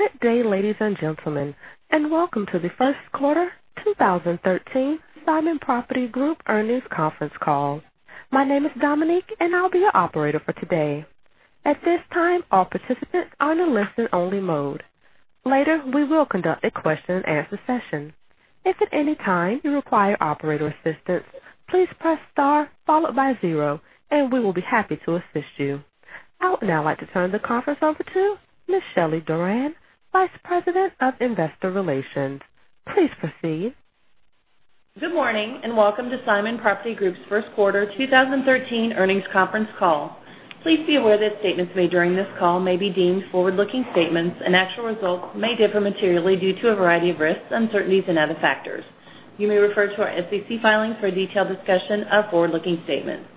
Good day, ladies and gentlemen, welcome to the first quarter 2013 Simon Property Group earnings conference call. My name is Dominique, and I'll be your operator for today. At this time, all participants are in listen only mode. Later, we will conduct a question and answer session. If at any time you require operator assistance, please press star followed by zero, and we will be happy to assist you. I would now like to turn the conference over to Ms. Shelly Doran, Vice President of Investor Relations. Please proceed. Good morning, welcome to Simon Property Group's first quarter 2013 earnings conference call. Please be aware that statements made during this call may be deemed forward-looking statements, and actual results may differ materially due to a variety of risks, uncertainties, and other factors. You may refer to our SEC filings for a detailed discussion of forward-looking statements.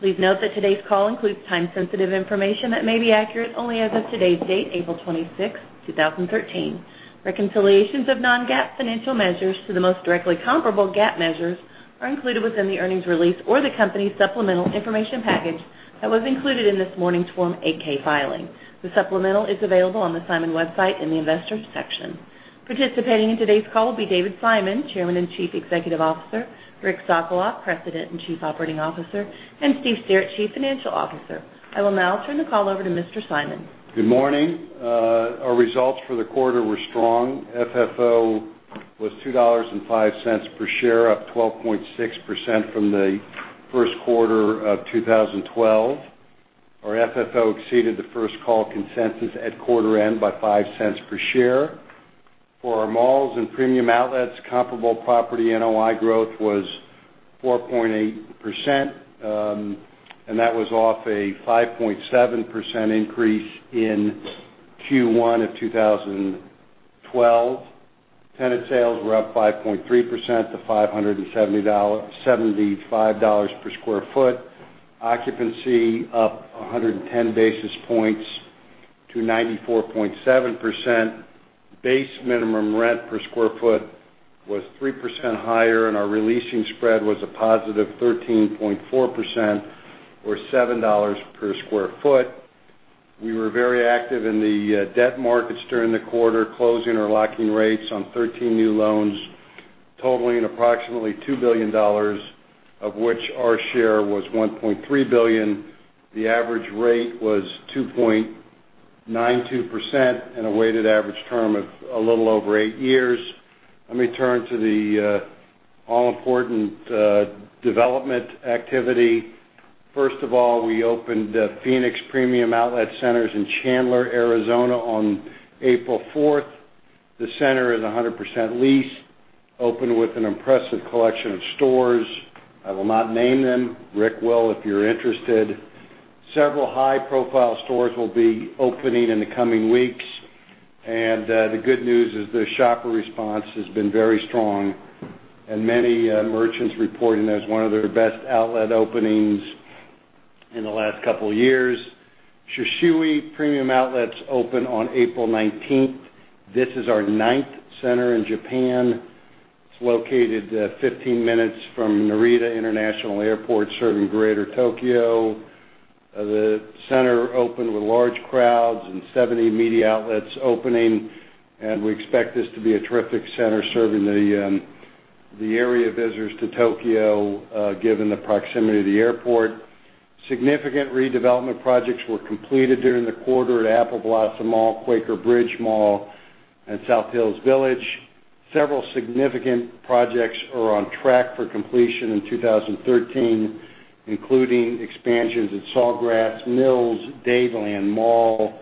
Please note that today's call includes time-sensitive information that may be accurate only as of today's date, April 26, 2013. Reconciliations of non-GAAP financial measures to the most directly comparable GAAP measures are included within the earnings release or the company's supplemental information package that was included in this morning's Form 8-K filing. The supplemental is available on the Simon website in the investors section. Participating in today's call will be David Simon, Chairman and Chief Executive Officer, Rick Sokolov, President and Chief Operating Officer, and Stephen Sterrett, Chief Financial Officer. I will now turn the call over to Mr. Simon. Good morning. Our results for the quarter were strong. FFO was $2.05 per share, up 12.6% from the first quarter of 2012. Our FFO exceeded the first call consensus at quarter end by $0.05 per share. For our malls and Premium Outlets, comparable property NOI growth was 4.8%, and that was off a 5.7% increase in Q1 of 2012. Tenant sales were up 5.3% to $575 per sq ft. Occupancy up 110 basis points to 94.7%. Base minimum rent per sq ft was 3% higher, and our re-leasing spread was a positive 13.4%, or $7 per sq ft. We were very active in the debt markets during the quarter, closing or locking rates on 13 new loans, totaling approximately $2 billion, of which our share was $1.3 billion. The average rate was 2.92% and a weighted average term of a little over eight years. Let me turn to the all-important development activity. First of all, we opened the Phoenix Premium Outlets in Chandler, Arizona on April 4th. The center is 100% leased, opened with an impressive collection of stores. I will not name them. Rick will if you're interested. Several high-profile stores will be opening in the coming weeks, and the good news is the shopper response has been very strong and many merchants reporting as one of their best outlet openings in the last couple of years. Gotemba Premium Outlets open on April 19th. This is our ninth center in Japan. It's located 15 minutes from Narita International Airport, serving greater Tokyo. The center opened with large crowds and 70 media outlets opening, and we expect this to be a terrific center serving the area visitors to Tokyo, given the proximity to the airport. Significant redevelopment projects were completed during the quarter at Apple Blossom Mall, Quaker Bridge Mall, and South Hills Village. Several significant projects are on track for completion in 2013, including expansions at Sawgrass Mills, Dadeland Mall,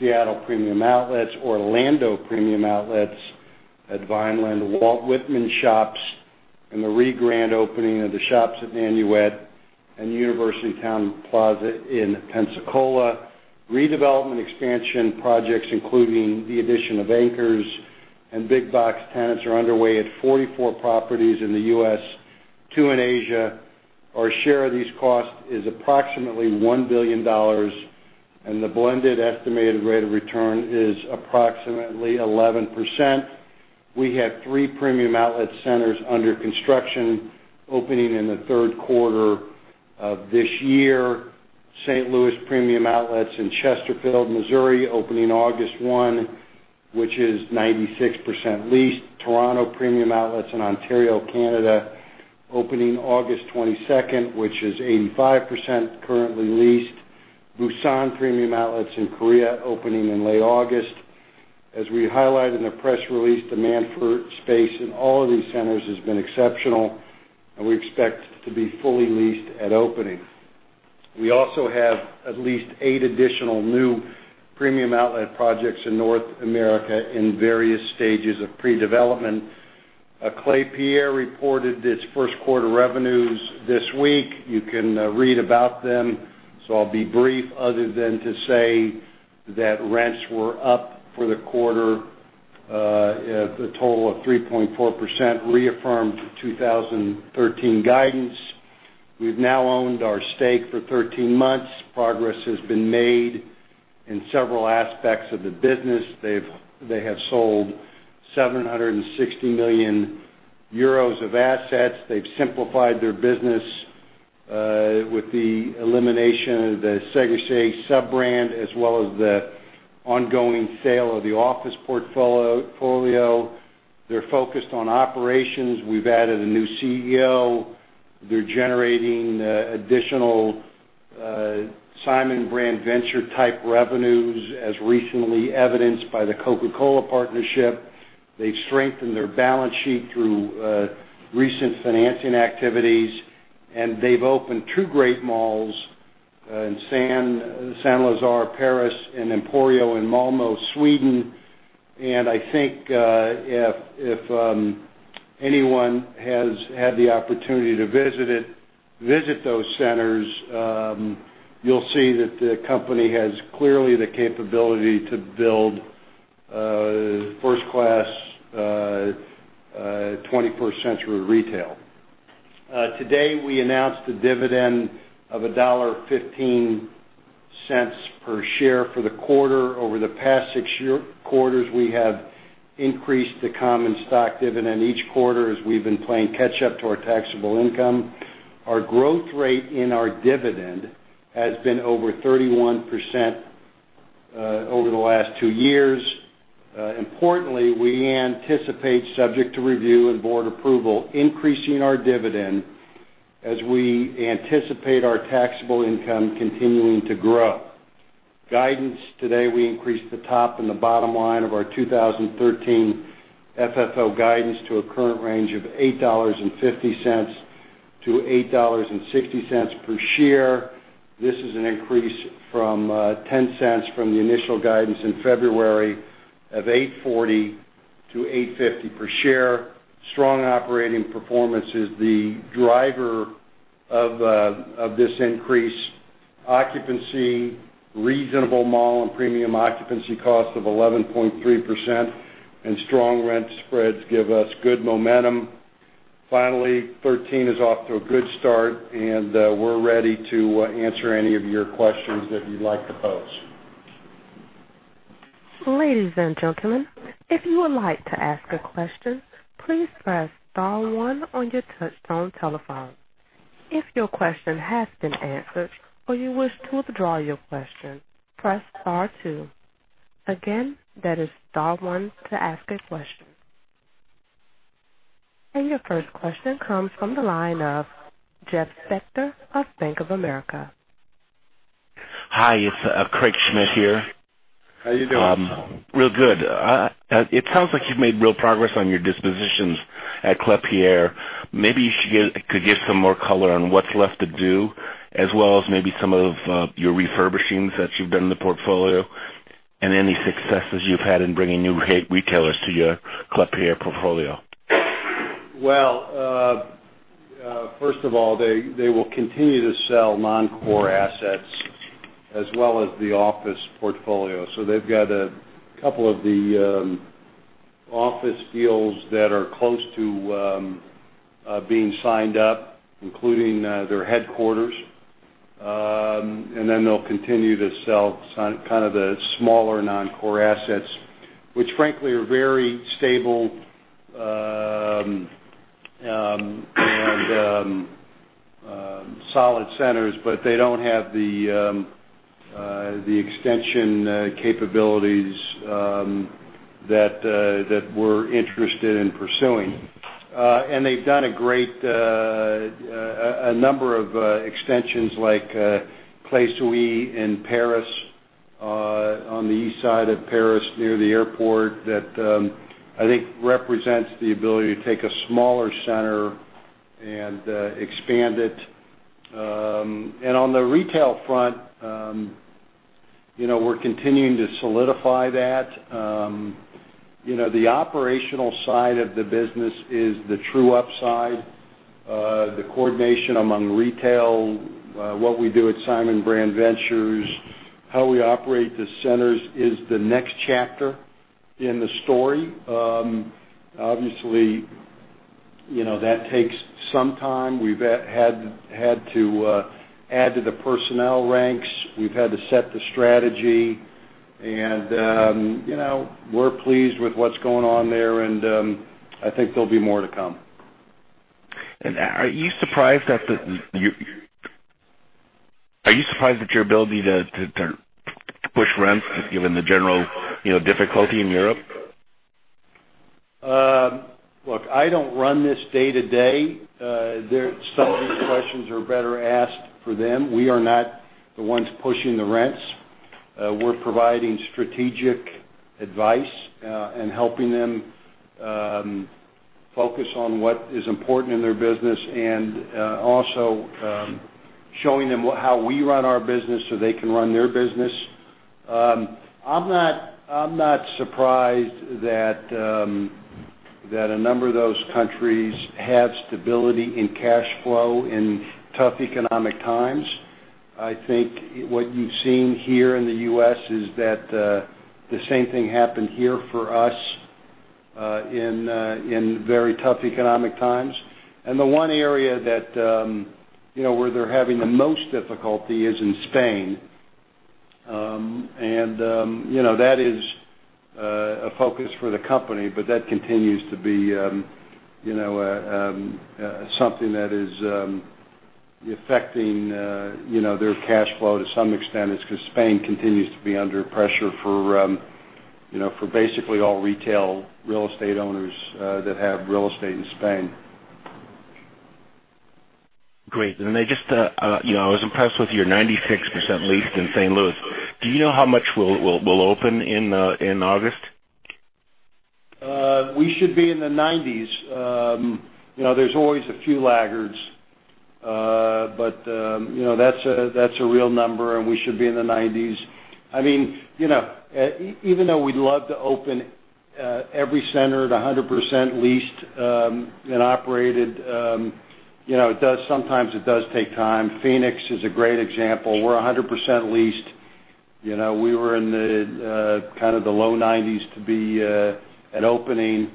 Seattle Premium Outlets, Orlando Vineland Premium Outlets, Walt Whitman Shops, and the re-grand opening of The Shops at Nanuet and University Town Plaza in Pensacola. Redevelopment expansion projects, including the addition of anchors and big box tenants, are underway at 44 properties in the U.S., two in Asia. Our share of these costs is approximately $1 billion, and the blended estimated rate of return is approximately 11%. We have three premium outlet centers under construction opening in the third quarter of this year. St. Louis Premium Outlets in Chesterfield, Missouri, opening August 1, which is 96% leased. Toronto Premium Outlets in Ontario, Canada, opening August 22nd, which is 85% currently leased. Busan Premium Outlets in Korea, opening in late August. As we highlighted in the press release, demand for space in all of these centers has been exceptional, and we expect to be fully leased at opening. We also have at least eight additional new premium outlet projects in North America in various stages of pre-development. Klépierre reported its first quarter revenues this week. You can read about them, so I'll be brief other than to say that rents were up for the quarter, a total of 3.4%, reaffirmed 2013 guidance. We've now owned our stake for 13 months. Progress has been made in several aspects of the business. They have sold €760 million of assets. They've simplified their business with the elimination of the Ségécé sub-brand, as well as the ongoing sale of the office portfolio. They're focused on operations. We've added a new CEO. They're generating additional Simon Brand Ventures-type revenues, as recently evidenced by the Coca-Cola partnership. They've strengthened their balance sheet through recent financing activities, and they've opened two great malls in Saint-Lazare, Paris, and Emporia in Malmö, Sweden. I think, if anyone has had the opportunity to visit those centers, you'll see that the company has clearly the capability to build first-class 21st century retail. Today, we announced a dividend of $1.15 per share for the quarter. Over the past six quarters, we have increased the common stock dividend each quarter as we've been playing catch up to our taxable income. Our growth rate in our dividend has been over 31% over the last two years. Importantly, we anticipate, subject to review and board approval, increasing our dividend as we anticipate our taxable income continuing to grow. Guidance, today, we increased the top and the bottom line of our 2013 FFO guidance to a current range of $8.50-$8.60 per share. This is an increase from $0.10 from the initial guidance in February of $8.40-$8.50 per share. Strong operating performance is the driver of this increase. Occupancy, reasonable mall and premium occupancy cost of 11.3% and strong rent spreads give us good momentum. Finally, 13 is off to a good start and we're ready to answer any of your questions that you'd like to pose. Ladies and gentlemen, if you would like to ask a question, please press star one on your touchtone telephone. If your question has been answered or you wish to withdraw your question, press star two. Again, that is star one to ask a question. Your first question comes from the line of Jeffrey Spector of Bank of America. Hi, it's Craig Schmidt here. How you doing? Real good. It sounds like you've made real progress on your dispositions at Klépierre. Maybe you could give some more color on what's left to do, as well as maybe some of your refurbishings that you've done in the portfolio, and any successes you've had in bringing new retailers to your Klépierre portfolio. Well, first of all, they will continue to sell non-core assets as well as the office portfolio. They've got a couple of the office deals that are close to being signed up, including their headquarters. They'll continue to sell the smaller non-core assets, which frankly are very stable and solid centers, but they don't have the extension capabilities that we're interested in pursuing. They've done a great number of extensions like Plaisir in Paris, on the east side of Paris near the airport, that I think represents the ability to take a smaller center and expand it. On the retail front, we're continuing to solidify that. The operational side of the business is the true upside. The coordination among retail, what we do at Simon Brand Ventures, how we operate the centers is the next chapter in the story. Obviously, that takes some time. We've had to add to the personnel ranks. We've had to set the strategy and we're pleased with what's going on there, and I think there'll be more to come. Are you surprised at your ability to push rents given the general difficulty in Europe? Look, I don't run this day to day. Some of these questions are better asked for them. We are not the ones pushing the rents. We're providing strategic advice and helping them focus on what is important in their business and also showing them how we run our business so they can run their business. I'm not surprised that a number of those countries have stability in cash flow in tough economic times. I think what you've seen here in the U.S. is that the same thing happened here for us in very tough economic times. The one area where they're having the most difficulty is in Spain. That is a focus for the company, but that continues to be something that is affecting their cash flow to some extent. It's because Spain continues to be under pressure for basically all retail real estate owners that have real estate in Spain. Great. I was impressed with your 96% leased in St. Louis. Do you know how much will open in August? We should be in the 90s. There's always a few laggards. That's a real number, and we should be in the 90s. Even though we'd love to open every center at 100% leased and operated, sometimes it does take time. Phoenix is a great example. We're 100% leased. We were in kind of the low 90s to be at opening.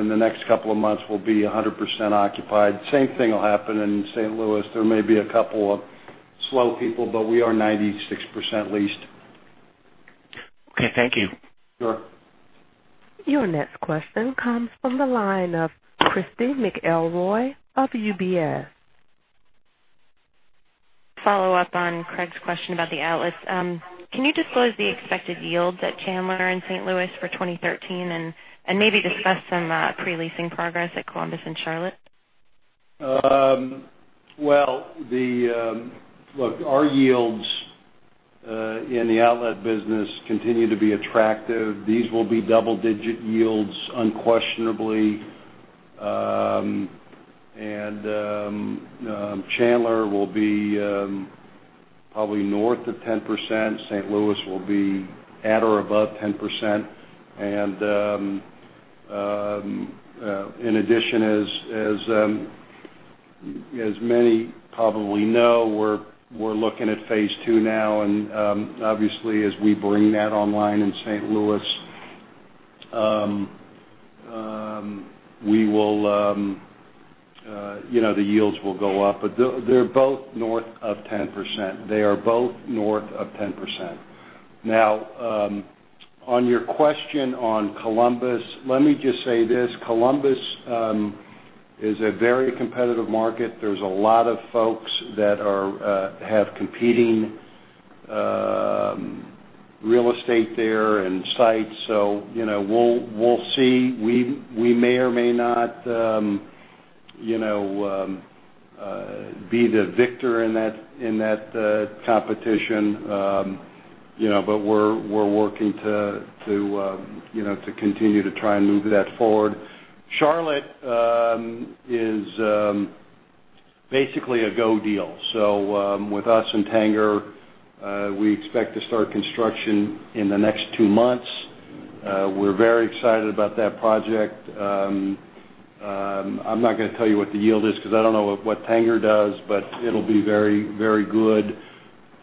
In the next couple of months, we'll be 100% occupied. Same thing will happen in St. Louis. There may be a couple of slow people, but we are 96% leased. Okay, thank you. Sure. Your next question comes from the line of Christy McElroy of UBS. Follow up on Craig's question about the outlets. Can you disclose the expected yields at Chandler and St. Louis for 2013, and maybe discuss some pre-leasing progress at Columbus and Charlotte? Well, look, our yields in the outlet business continue to be attractive. These will be double-digit yields unquestionably. Chandler will be probably north of 10%. St. Louis will be at or above 10%. In addition, as many probably know, we're looking at phase 2 now. Obviously, as we bring that online in St. Louis the yields will go up. They're both north of 10%. On your question on Columbus, let me just say this, Columbus is a very competitive market. There's a lot of folks that have competing real estate there and sites. We'll see. We may or may not be the victor in that competition. We're working to continue to try and move that forward. Charlotte is basically a go deal. With us and Tanger, we expect to start construction in the next two months. We're very excited about that project. I'm not going to tell you what the yield is because I don't know what Tanger does, but it'll be very good.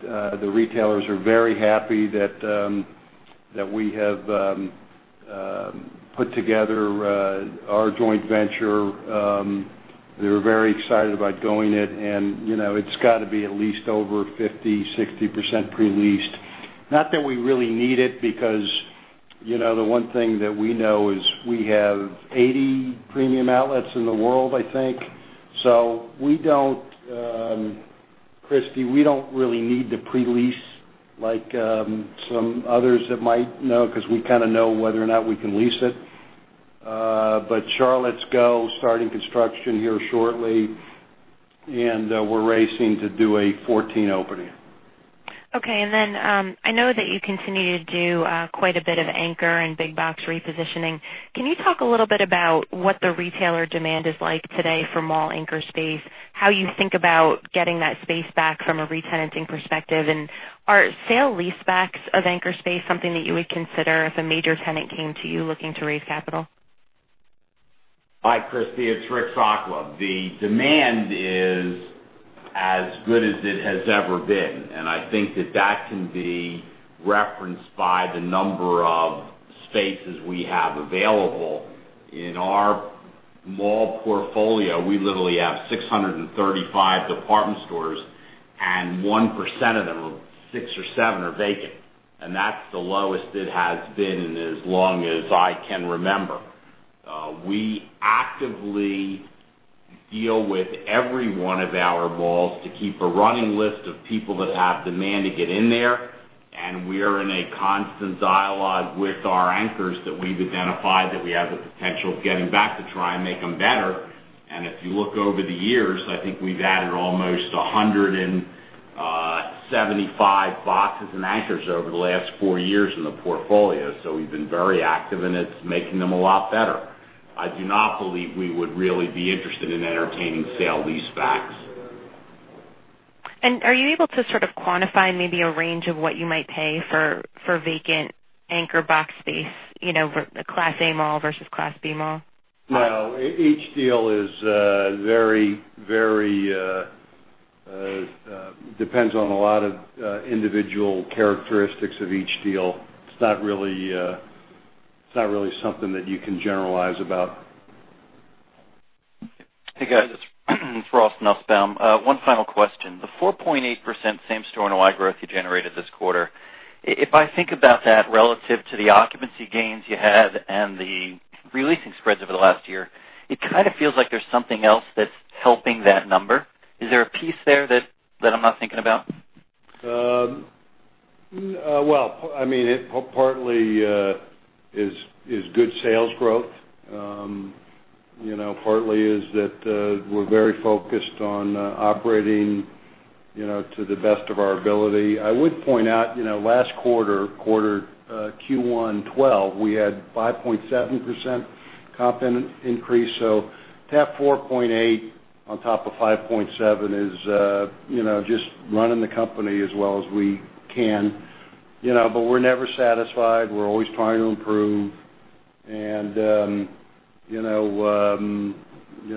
The retailers are very happy that we have put together our joint venture. They're very excited about going it, and it's got to be at least over 50%, 60% pre-leased. Not that we really need it, because the one thing that we know is we have 80 Premium Outlets in the world, I think. Christy, we don't really need to pre-lease like some others that might, because we kind of know whether or not we can lease it. Charlotte's go, starting construction here shortly, and we're racing to do a 2014 opening. I know that you continue to do quite a bit of anchor and big box repositioning. Can you talk a little bit about what the retailer demand is like today for mall anchor space, how you think about getting that space back from a re-tenanting perspective, and are sale leasebacks of anchor space something that you would consider if a major tenant came to you looking to raise capital? Hi, Christy, it's Rick Sokolov. The demand is as good as it has ever been, and I think that that can be referenced by the number of spaces we have available. In our mall portfolio, we literally have 635 department stores, and 1% of them, or six or seven, are vacant. That's the lowest it has been in as long as I can remember. We actively deal with every one of our malls to keep a running list of people that have demand to get in there, and we are in a constant dialogue with our anchors that we've identified that we have the potential of getting back to try and make them better. If you look over the years, I think we've added almost 175 boxes and anchors over the last four years in the portfolio. We've been very active, and it's making them a lot better. I do not believe we would really be interested in entertaining sale leasebacks. Are you able to sort of quantify maybe a range of what you might pay for vacant anchor box space, a Class A mall versus Class B mall? Well, each deal depends on a lot of individual characteristics of each deal. It's not really something that you can generalize about. Hey, guys, it's [Frost & Nelson]. One final question. The 4.8% same store NOI growth you generated this quarter, if I think about that relative to the occupancy gains you had and the re-leasing spreads over the last year, it kind of feels like there's something else that's helping that number. Is there a piece there that I'm not thinking about? Well, partly is good sales growth. Partly is that we're very focused on operating to the best of our ability. I would point out, last quarter, Q1 2012, we had 5.7% comp increase. To have 4.8 on top of 5.7 is just running the company as well as we can. We're never satisfied, we're always trying to improve, and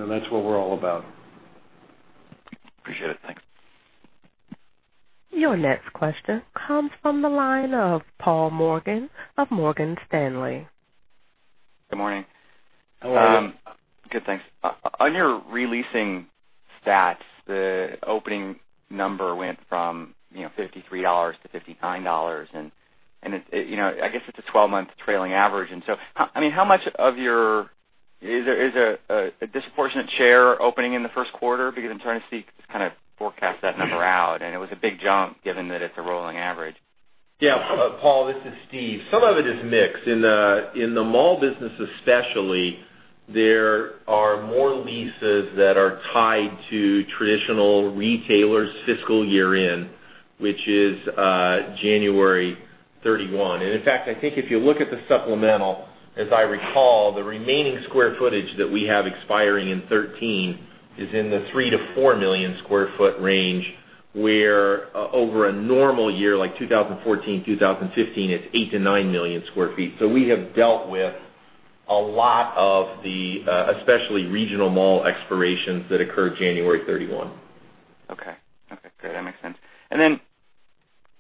that's what we're all about. Appreciate it. Thanks. Your next question comes from the line of Paul Morgan of Morgan Stanley. Good morning. How are you? Good, thanks. On your re-leasing stats, the opening number went from $53 to $59, I guess it's a 12-month trailing average. Is there a disproportionate share opening in the first quarter? Because I'm trying to see, kind of forecast that number out, and it was a big jump given that it's a rolling average. Yeah, Paul, this is Steve. Some of it is mixed. In the mall business especially, there are more leases that are tied to traditional retailers' fiscal year-end, which is January 31. In fact, I think if you look at the supplemental, as I recall, the remaining square footage that we have expiring in 2013 is in the 3 million to 4 million sq ft range, where over a normal year, like 2014, 2015, it's 8 million to 9 million sq ft. We have dealt with a lot of the especially regional mall expirations that occur January 31. Okay. Great. That makes sense.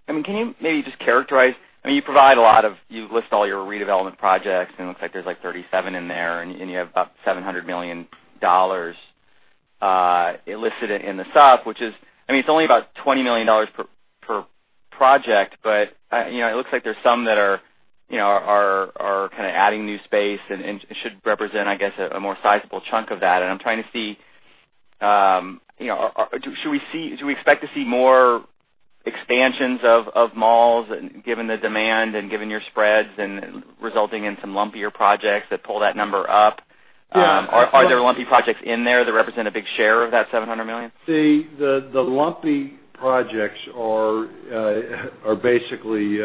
Can you maybe just characterize. You list all your redevelopment projects, and it looks like there's 37 in there, and you have about $700 million listed in the sup, which is only about $20 million per project. But it looks like there's some that are kind of adding new space and should represent, I guess, a more sizable chunk of that. I'm trying to see, should we expect to see more expansions of malls given the demand and given your spreads resulting in some lumpier projects that pull that number up? Are there lumpy projects in there that represent a big share of that $700 million? The lumpy projects are basically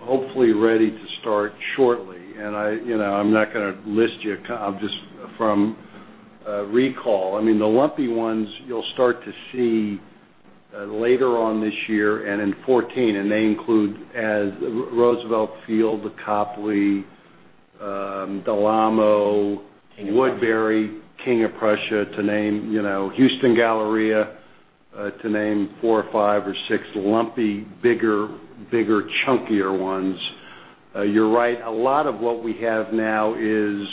hopefully ready to start shortly. I'm not going to list you, I'm just from recall. The lumpy ones you'll start to see later on this year and in 2014, and they include Roosevelt Field, Copley, Del Amo- King of Prussia Woodbury, King of Prussia, Houston Galleria, to name four, five, or six lumpy, bigger, chunkier ones. You're right, a lot of what we have now is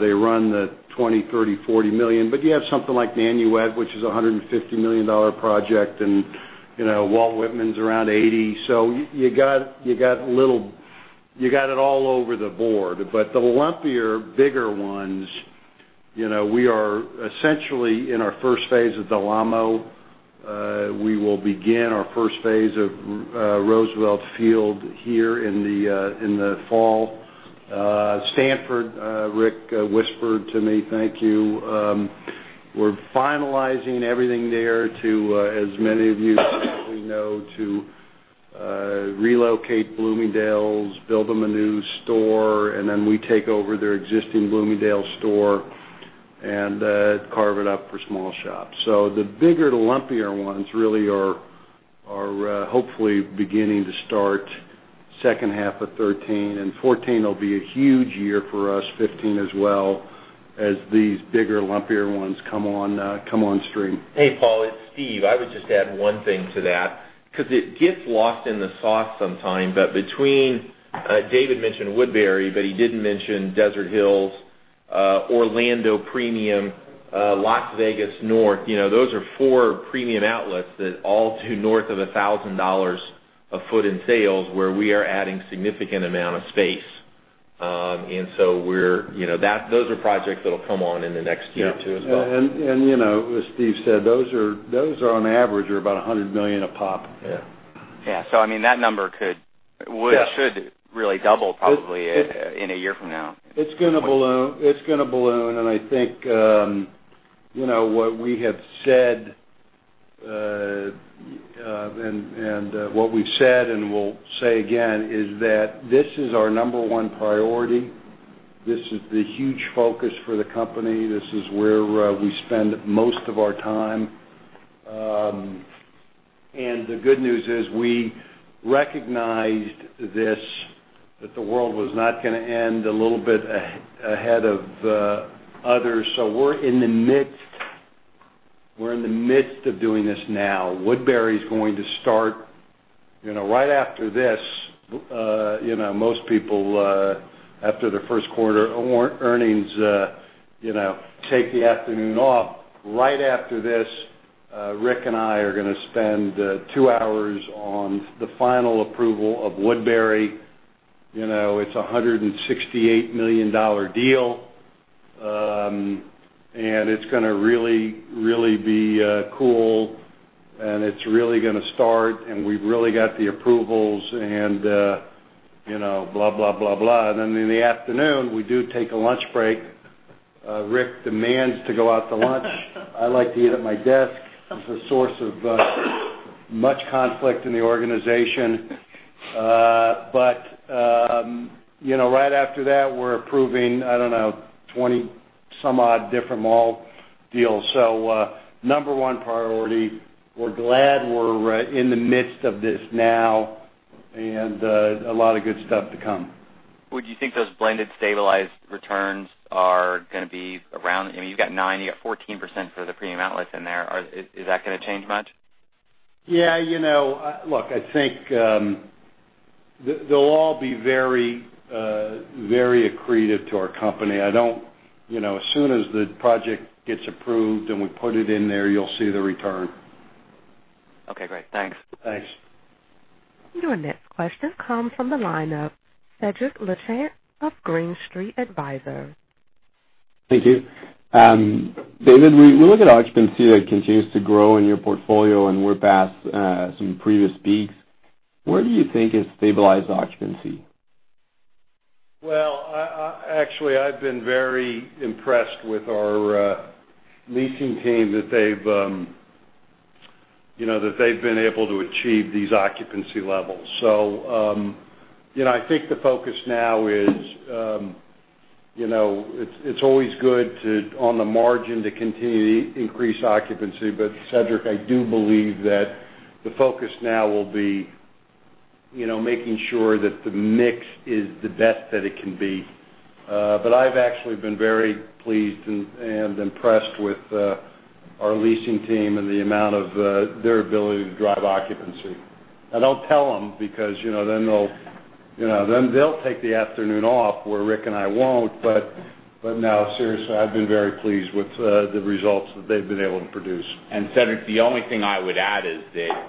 they run the $20 million, $30 million, $40 million. You have something like Nanuet, which is a $150 million project, and Walt Whitman's around $80 million. You got it all over the board. The lumpier, bigger ones, we are essentially in our first phase of Del Amo. We will begin our first phase of Roosevelt Field here in the fall. Stanford, Rick whispered to me. Thank you. We're finalizing everything there to, as many of you probably know, to relocate Bloomingdale's, build them a new store, and then we take over their existing Bloomingdale's store and carve it up for small shops. The bigger, lumpier ones really are hopefully beginning to start the second half of 2013, and 2014 will be a huge year for us, 2015 as well, as these bigger, lumpier ones come on stream. Hey, Paul, it's Steve. I would just add one thing to that, because it gets lost in the sauce sometime, between, David mentioned Woodbury, he didn't mention Desert Hills, Orlando Premium, Las Vegas North. Those are four premium outlets that all do north of $1,000 a foot in sales, where we are adding significant amount of space. Those are projects that'll come on in the next year too, as well. as Steve said, those on average, are about $100 million a pop. Yeah. that number Yeah should really double probably in a year from now. It's going to balloon, I think, what we have said and will say again, is that this is our number one priority. This is the huge focus for the company. This is where we spend most of our time. The good news is we recognized this, that the world was not going to end, a little bit ahead of others. We're in the midst of doing this now. Woodbury's going to start right after this. Most people, after their first quarter earnings, take the afternoon off. Right after this, Rick and I are going to spend 2 hours on the final approval of Woodbury. It's a $168 million deal, and it's going to really be cool, and it's really going to start, and we've really got the approvals and blah. Then in the afternoon, we do take a lunch break. Rick demands to go out to lunch. I like to eat at my desk. It's a source of much conflict in the organization. Right after that, we're approving, I don't know, 20 some odd different mall deals. Number one priority, we're glad we're right in the midst of this now, and a lot of good stuff to come. Would you think those blended, stabilized returns are going to be around-- You've got 9, you've got 14% for the Premium Outlets in there. Is that going to change much? Yeah. Look, I think they'll all be very accretive to our company. As soon as the project gets approved and we put it in there, you'll see the return. Okay, great. Thanks. Thanks. Your next question comes from the line of Cedric Lachance of Green Street Advisors. Thank you. David, we look at occupancy that continues to grow in your portfolio, and we're past some previous peaks. Where do you think is stabilized occupancy? Actually, I've been very impressed with our leasing team that they've been able to achieve these occupancy levels. I think the focus now is, it's always good to, on the margin, to continue to increase occupancy. Cedric, I do believe that the focus now will be making sure that the mix is the best that it can be. I've actually been very pleased and impressed with our leasing team and their ability to drive occupancy. I don't tell them because then they'll take the afternoon off where Rick and I won't. No, seriously, I've been very pleased with the results that they've been able to produce. Cedric, the only thing I would add is that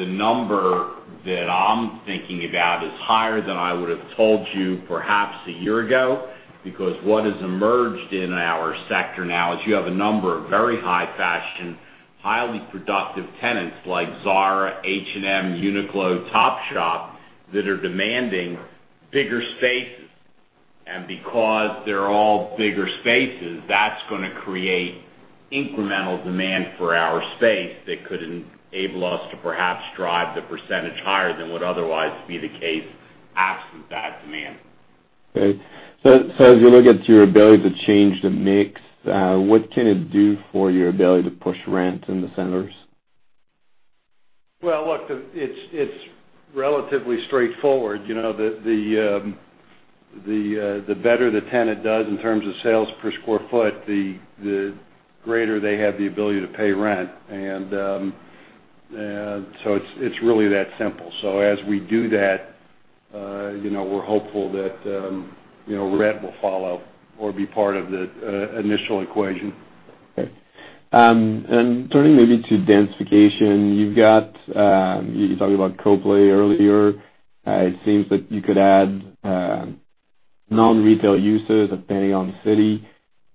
the number that I'm thinking about is higher than I would have told you perhaps a year ago. What has emerged in our sector now is you have a number of very high fashion, highly productive tenants like Zara, H&M, Uniqlo, Topshop, that are demanding bigger spaces. Because they're all bigger spaces, that's going to create incremental demand for our space that could enable us to perhaps drive the percentage higher than would otherwise be the case absent that demand. As you look at your ability to change the mix, what can it do for your ability to push rent in the centers? Well, look, it's relatively straightforward. The better the tenant does in terms of sales per square foot, the greater they have the ability to pay rent. It's really that simple. As we do that, we're hopeful that rent will follow or be part of the initial equation. Okay. Turning maybe to densification, you talked about Copley earlier. It seems that you could add non-retail uses depending on the city.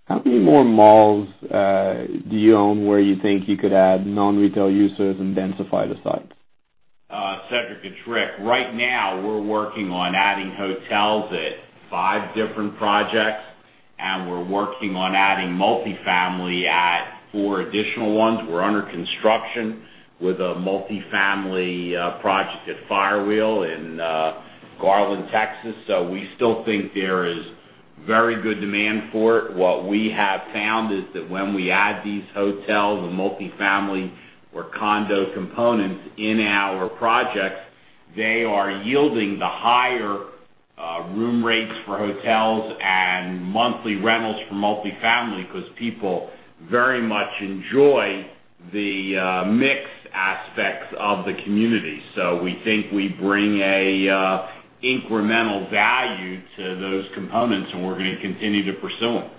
How many more malls do you own where you think you could add non-retail uses and densify the sites? Cedric, it's Rick. Right now, we're working on adding hotels at five different projects, and we're working on adding multi-family at four additional ones. We're under construction with a multi-family project at Firewheel in Garland, Texas. We still think there is very good demand for it. What we have found is that when we add these hotels or multi-family or condo components in our projects, they are yielding the higher room rates for hotels and monthly rentals for multi-family because people very much enjoy the mixed aspects of the community. We think we bring an incremental value to those components, and we're going to continue to pursue them.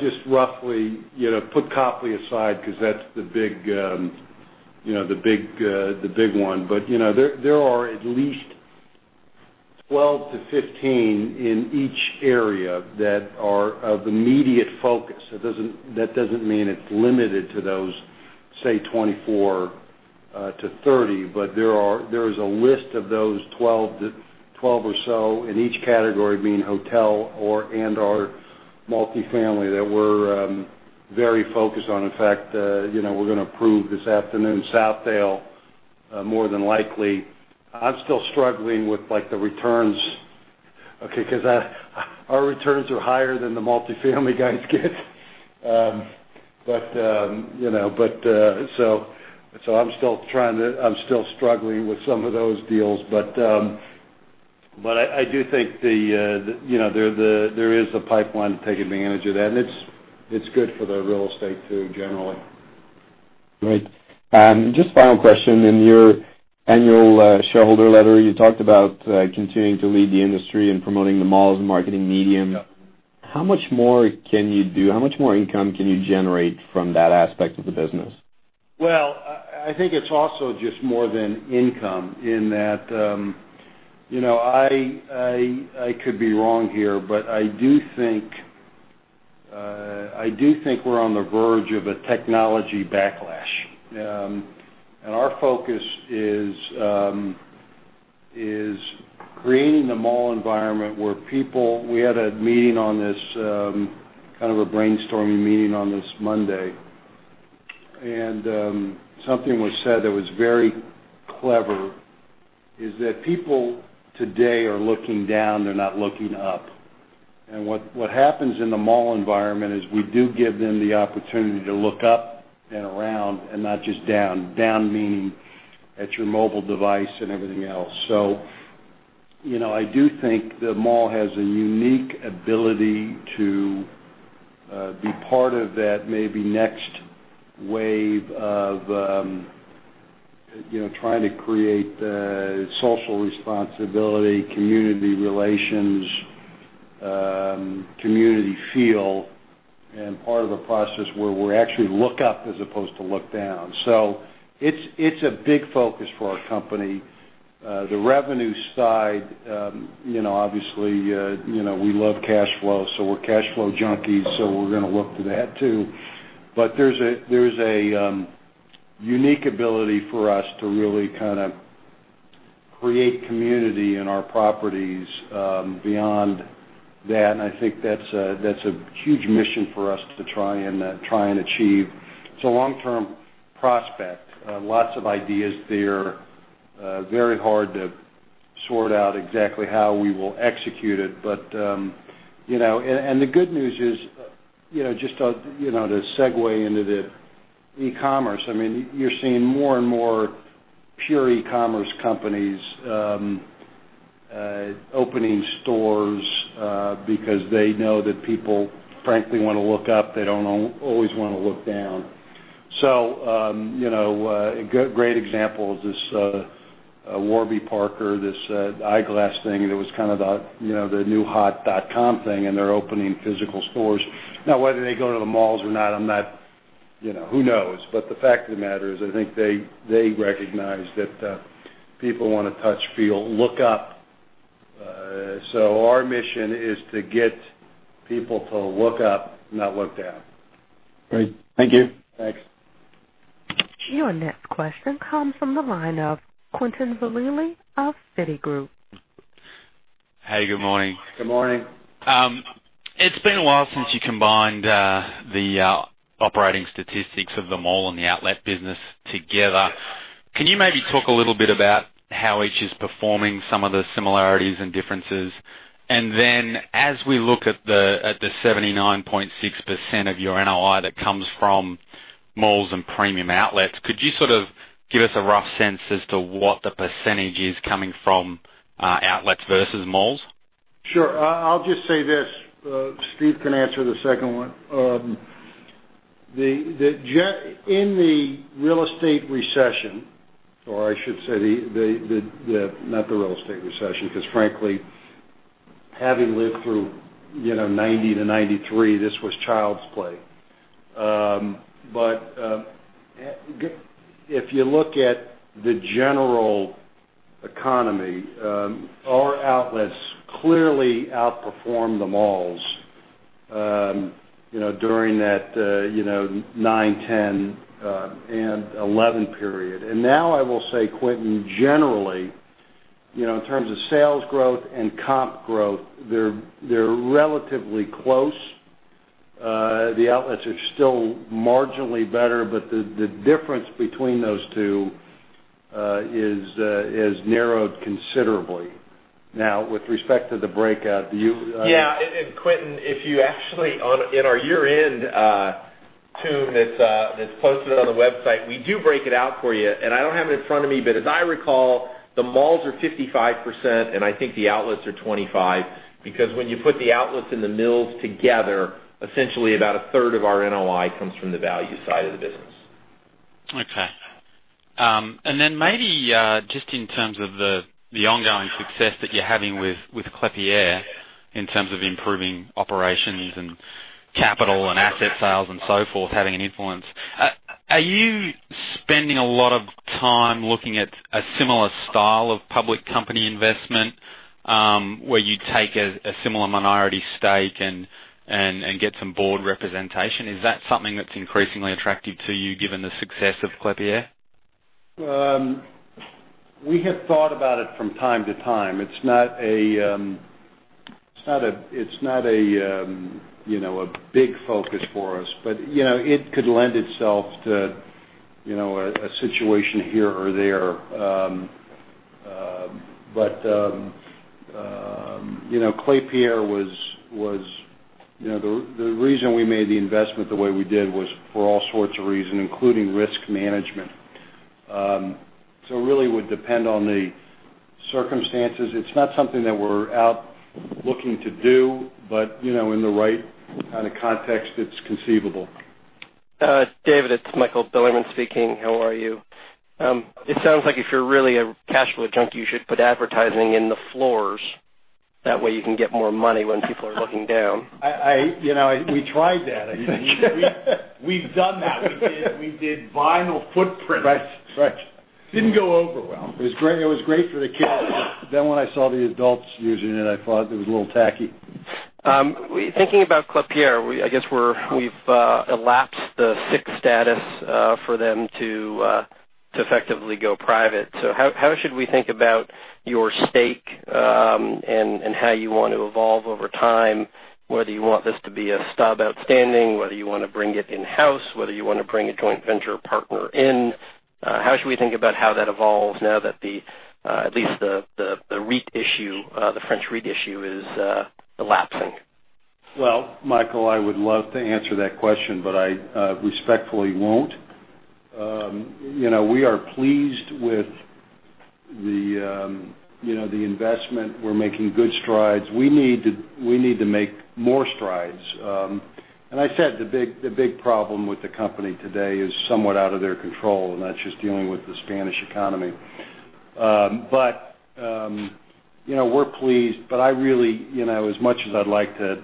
Just roughly, put Copley aside because that's the big one. There are at least 12-15 in each area that are of immediate focus. That doesn't mean it's limited to those, say, 24-30. There is a list of those 12 or so in each category, being hotel and/or multifamily, that we're very focused on. In fact, we're going to approve this afternoon, Southdale, more than likely. I'm still struggling with the returns, because our returns are higher than the multifamily guys get. I'm still struggling with some of those deals. I do think there is a pipeline to take advantage of that, and it's good for the real estate too, generally. Just final question. In your annual shareholder letter, you talked about continuing to lead the industry and promoting the mall as a marketing medium. Yep. How much more can you do? How much more income can you generate from that aspect of the business? Well, I think it's also just more than income in that, I could be wrong here, but I do think we're on the verge of a technology backlash. Our focus is creating the mall environment where people. We had a meeting on this, kind of a brainstorming meeting on this Monday, and something was said that was very clever, is that people today are looking down, they're not looking up. What happens in the mall environment is we do give them the opportunity to look up and around and not just down. Down meaning at your mobile device and everything else. I do think the mall has a unique ability to be part of that, maybe next wave of trying to create social responsibility, community relations, community feel, and part of a process where we actually look up as opposed to look down. It's a big focus for our company. The revenue side, obviously we love cash flow, we're cash flow junkies, so we're going to look to that too. There's a unique ability for us to really kind of create community in our properties. Beyond that, I think that's a huge mission for us to try and achieve. It's a long-term prospect. Lots of ideas there. Very hard to sort out exactly how we will execute it. The good news is, just to segue into the e-commerce, you're seeing more and more pure e-commerce companies opening stores because they know that people, frankly, want to look up, they don't always want to look down. A great example is this Warby Parker, this eyeglass thing, and it was kind of the new hot dotcom thing, and they're opening physical stores. Whether they go to the malls or not, who knows? The fact of the matter is, I think they recognize that people want to touch, feel, look up. Our mission is to get people to look up, not look down. Great. Thank you. Thanks. Your next question comes from the line of Quentin Velleley of Citigroup. Hey, good morning. Good morning. It's been a while since you combined the operating statistics of the mall and the outlet business together. Can you maybe talk a little bit about how each is performing, some of the similarities and differences? As we look at the 79.6% of your NOI that comes from malls and Premium Outlets, could you sort of give us a rough sense as to what the % is coming from outlets versus malls? Sure. I'll just say this. Steve can answer the second one. In the real estate recession, or I should say, not the real estate recession, because frankly, having lived through 1990-1993, this was child's play. If you look at the general economy, our outlets clearly outperformed the malls during that 2009, 2010, and 2011 period. Now I will say, Quentin, generally, in terms of sales growth and comp growth, they're relatively close. The outlets are still marginally better, but the difference between those two has narrowed considerably. Now with respect to the breakout. Yeah. Quentin, if you actually, in our year-end tune that's posted on the website, we do break it out for you, and I don't have it in front of me, but as I recall, the malls are 55%, and I think the outlets are 25%, because when you put the outlets and the mills together, essentially about a third of our NOI comes from the value side of the business. Okay. Then maybe just in terms of the ongoing success that you're having with Klépierre in terms of improving operations and capital and asset sales and so forth having an influence, are you spending a lot of time looking at a similar style of public company investment where you take a similar minority stake and get some board representation? Is that something that's increasingly attractive to you given the success of Klépierre? We have thought about it from time to time. It's not a big focus for us, but it could lend itself to a situation here or there. Klépierre was the reason we made the investment the way we did was for all sorts of reasons, including risk management. Really it would depend on the circumstances. It's not something that we're out looking to do, but in the right kind of context, it's conceivable. David, it's Michael Bilerman speaking. How are you? It sounds like if you're really a cash flow junkie, you should put advertising in the floors. That way you can get more money when people are looking down. We tried that. We've done that. We did vinyl footprints. Right. Didn't go over well. It was great for the kids. When I saw the adults using it, I thought it was a little tacky. Thinking about Klépierre, I guess we've elapsed the sixth status for them to effectively go private. How should we think about your stake, and how you want to evolve over time? Whether you want this to be a stub outstanding, whether you want to bring it in-house, whether you want to bring a joint venture partner in. How should we think about how that evolves now that at least the French REIT issue is elapsing? Well, Michael, I would love to answer that question, I respectfully won't. We are pleased with the investment. We're making good strides. We need to make more strides. I said the big problem with the company today is somewhat out of their control, and that's just dealing with the Spanish economy. We're pleased, but as much as I'd like to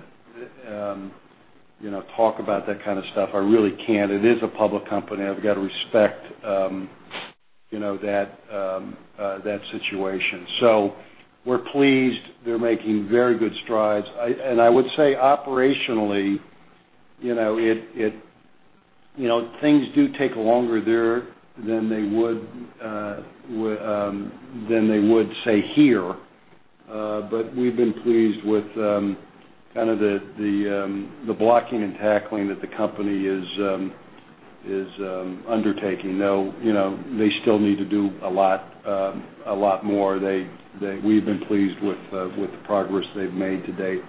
talk about that kind of stuff, I really can't. It is a public company. I've got to respect that situation. We're pleased. They're making very good strides. I would say operationally, things do take longer there than they would, say, here. We've been pleased with the blocking and tackling that the company is undertaking, though they still need to do a lot more. We've been pleased with the progress they've made to date.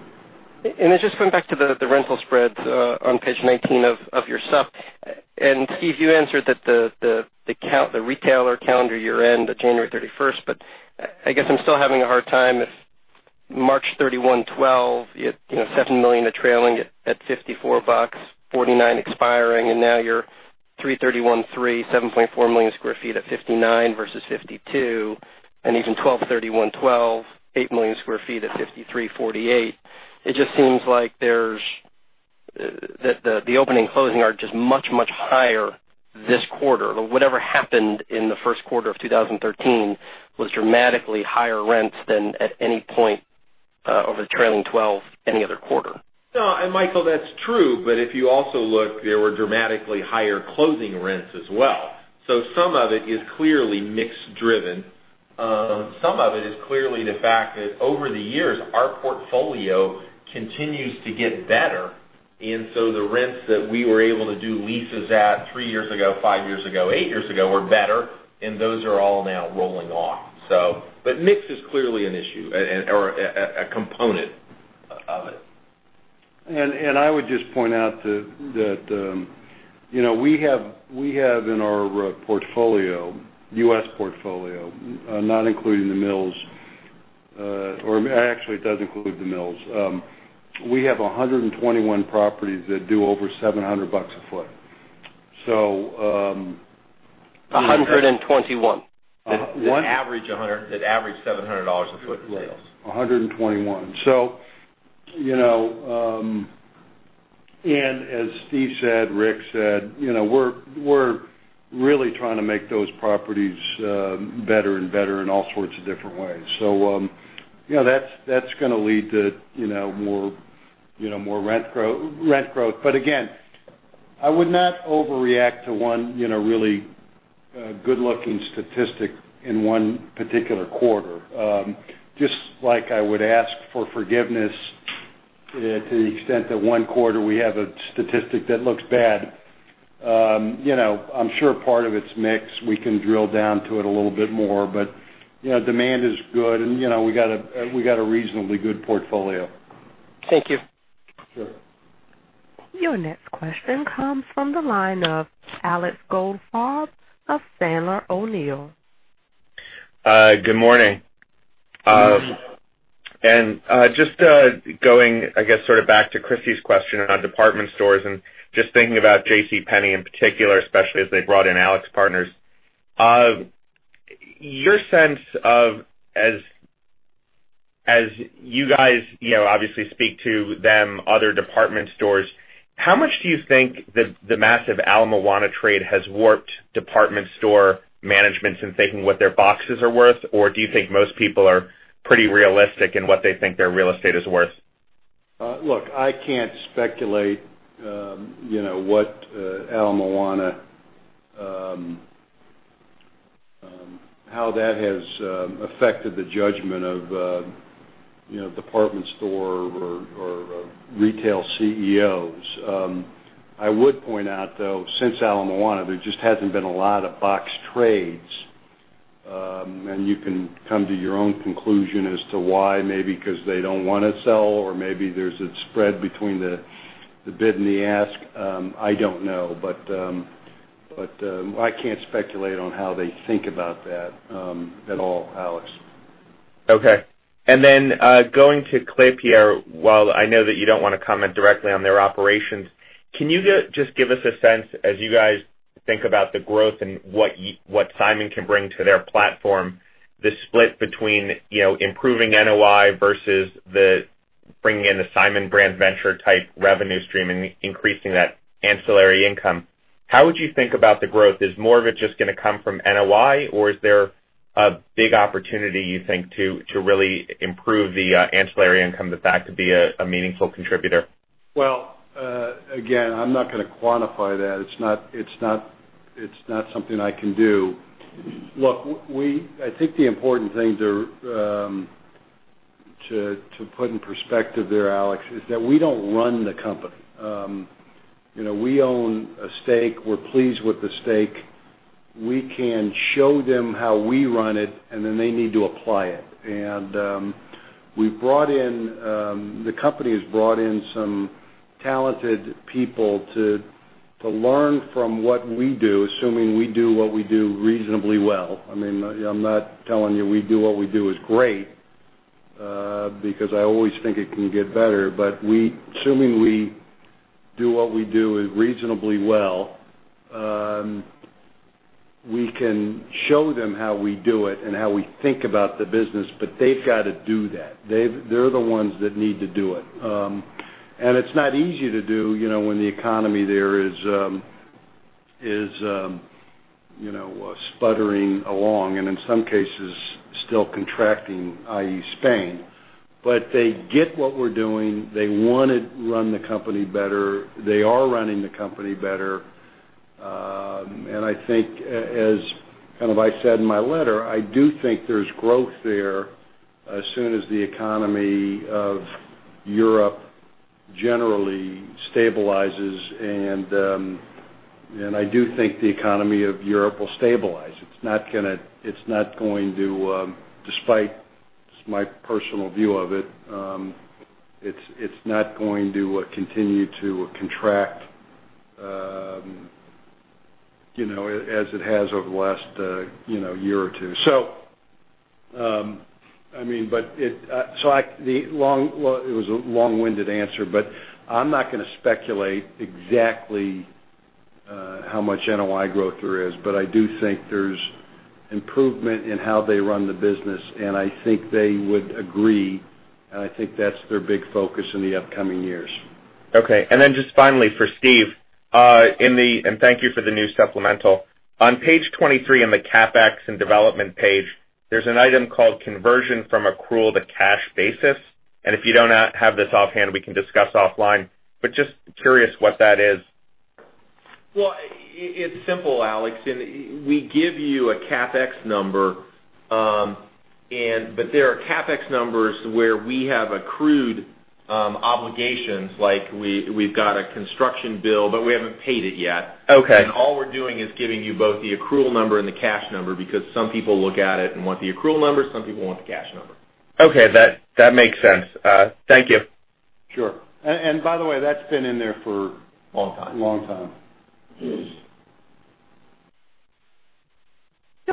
Just going back to the rental spreads on page 19 of your stuff. Steve, you answered that the retailer calendar year end, the January 31st. But I guess I'm still having a hard time if March 31, 2012, you had $7 million of trailing at $54, 49 expiring, and now you're March 31, 2013, 7.4 million sq ft at $59 versus $52. Even December 31, 2012, 8 million sq ft at $53-$48. It just seems like the opening and closing are just much, much higher this quarter. Whatever happened in the first quarter of 2013 was dramatically higher rents than at any point over the trailing 12, any other quarter. Michael, that's true. If you also look, there were dramatically higher closing rents as well. Some of it is clearly mix driven. Some of it is clearly the fact that over the years, our portfolio continues to get better. The rents that we were able to do leases at three years ago, five years ago, eight years ago, were better, and those are all now rolling off. Mix is clearly an issue or a component of it. I would just point out that we have in our portfolio, U.S. portfolio, not including the mills, or actually, it does include the mills. We have 121 properties that do over $700 a foot. 121. What? That average $700 a foot in sales. 121. As Steve said, Rick said, we're really trying to make those properties better and better in all sorts of different ways. That's going to lead to more rent growth. Again, I would not overreact to one really good-looking statistic in one particular quarter. Just like I would ask for forgiveness to the extent that one quarter we have a statistic that looks bad. I'm sure part of it's mix. We can drill down to it a little bit more, but demand is good, and we got a reasonably good portfolio. Thank you. Sure. Your next question comes from the line of Alex Goldfarb of Sandler O'Neill. Good morning. Just going, I guess, sort of back to Christy's question on department stores and just thinking about JCPenney in particular, especially as they brought in AlixPartners. Your sense of as you guys obviously speak to them, other department stores, how much do you think the massive Ala Moana trade has warped department store managements in thinking what their boxes are worth? Do you think most people are pretty realistic in what they think their real estate is worth? Look, I can't speculate what Ala Moana, how that has affected the judgment of department store or retail CEOs. I would point out, though, since Ala Moana, there just hasn't been a lot of box trades. You can come to your own conclusion as to why. Maybe because they don't want to sell or maybe there's a spread between the bid and the ask. I don't know. I can't speculate on how they think about that at all, Alex. Okay. Going to Klépierre, while I know that you don't want to comment directly on their operations, can you just give us a sense as you guys think about the growth and what Simon can bring to their platform, the split between improving NOI versus the bringing in the Simon Brand Ventures-type revenue stream and increasing that ancillary income? How would you think about the growth? Is more of it just going to come from NOI or is there a big opportunity, you think, to really improve the ancillary income, the fact to be a meaningful contributor? Well, again, I'm not going to quantify that. It's not something I can do. Look, I think the important thing to put in perspective there, Alex, is that we don't run the company. We own a stake. We're pleased with the stake. We can show them how we run it, then they need to apply it. The company has brought in some talented people to learn from what we do, assuming we do what we do reasonably well. I'm not telling you we do what we do is great because I always think it can get better. Assuming we do what we do reasonably well, we can show them how we do it and how we think about the business, but they've got to do that. They're the ones that need to do it. It's not easy to do when the economy there is sputtering along and in some cases still contracting, i.e., Spain. They get what we're doing. They want to run the company better. They are running the company better. I think as I said in my letter, I do think there's growth there as soon as the economy of Europe generally stabilizes, and I do think the economy of Europe will stabilize. Despite my personal view of it's not going to continue to contract as it has over the last year or two. It was a long-winded answer, I'm not going to speculate exactly how much NOI growth there is. I do think there's improvement in how they run the business, and I think they would agree, and I think that's their big focus in the upcoming years. Okay. Then just finally for Steve, thank you for the new supplemental. On page 23 in the CapEx and development page, there's an item called conversion from accrual to cash basis. If you don't have this offhand, we can discuss offline. Just curious what that is. Well, it's simple, Alex. We give you a CapEx number, but there are CapEx numbers where we have accrued obligations, like we've got a construction bill, but we haven't paid it yet. Okay. All we're doing is giving you both the accrual number and the cash number because some people look at it and want the accrual number, some people want the cash number. Okay. That makes sense. Thank you. Sure. By the way, that's been in there. A long time a long time. Your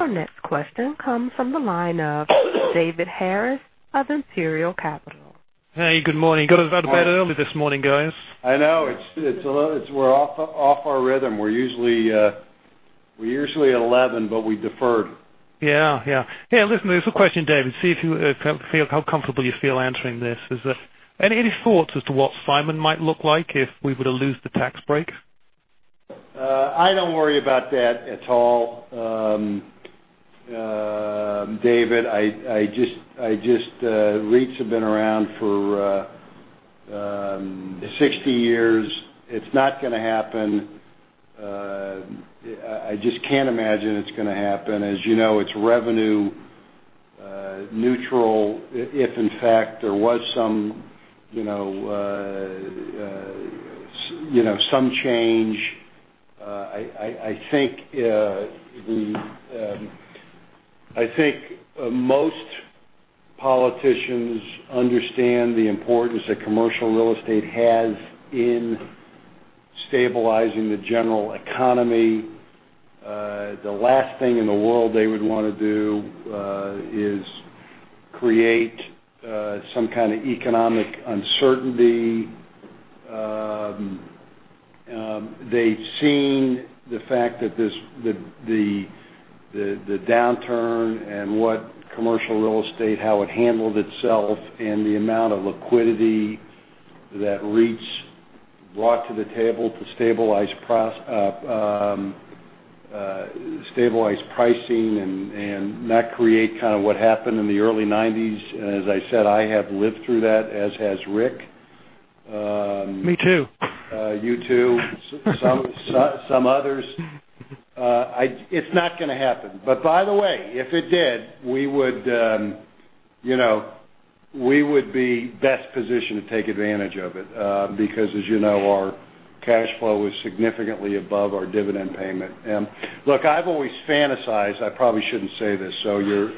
next question comes from the line of David Harris of Imperial Capital. Hey, good morning. Got us out of bed early this morning, guys. I know. We're off our rhythm. We're usually at 11:00, but we deferred. Yeah. Hey, listen, this is a question, David. See how comfortable you feel answering this. Any thoughts as to what Simon might look like if we were to lose the tax break? I don't worry about that at all, David. REITs have been around for 60 years. It's not going to happen. I just can't imagine it's going to happen. As you know, it's revenue neutral. If, in fact, there was some change, I think most politicians understand the importance that commercial real estate has in stabilizing the general economy. The last thing in the world they would want to do is create some kind of economic uncertainty. They've seen the fact that the downturn and what commercial real estate, how it handled itself and the amount of liquidity that REITs brought to the table to stabilize pricing and not create what happened in the early '90s. As I said, I have lived through that, as has Rick. Me too. You too. Some others. It's not going to happen. By the way, if it did, we would We would be best positioned to take advantage of it because, as you know, our cash flow is significantly above our dividend payment. Look, I've always fantasized, I probably shouldn't say this, we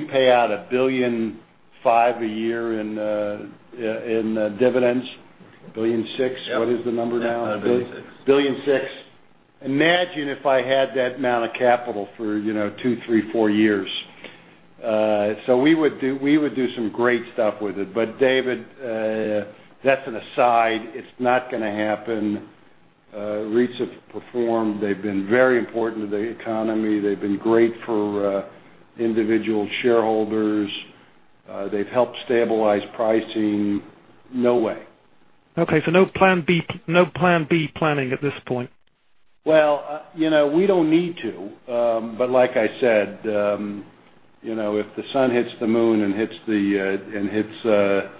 pay out $1.5 billion a year in dividends. $1.6 billion? Yep. What is the number now? $1.6 billion. $1.6 billion. Imagine if I had that amount of capital for two, three, four years. We would do some great stuff with it. David, that's an aside, it's not going to happen. REITs have performed, they've been very important to the economy. They've been great for individual shareholders. They've helped stabilize pricing. No way. Okay, no plan B planning at this point? Well, we don't need to. Like I said, if the sun hits the moon and hits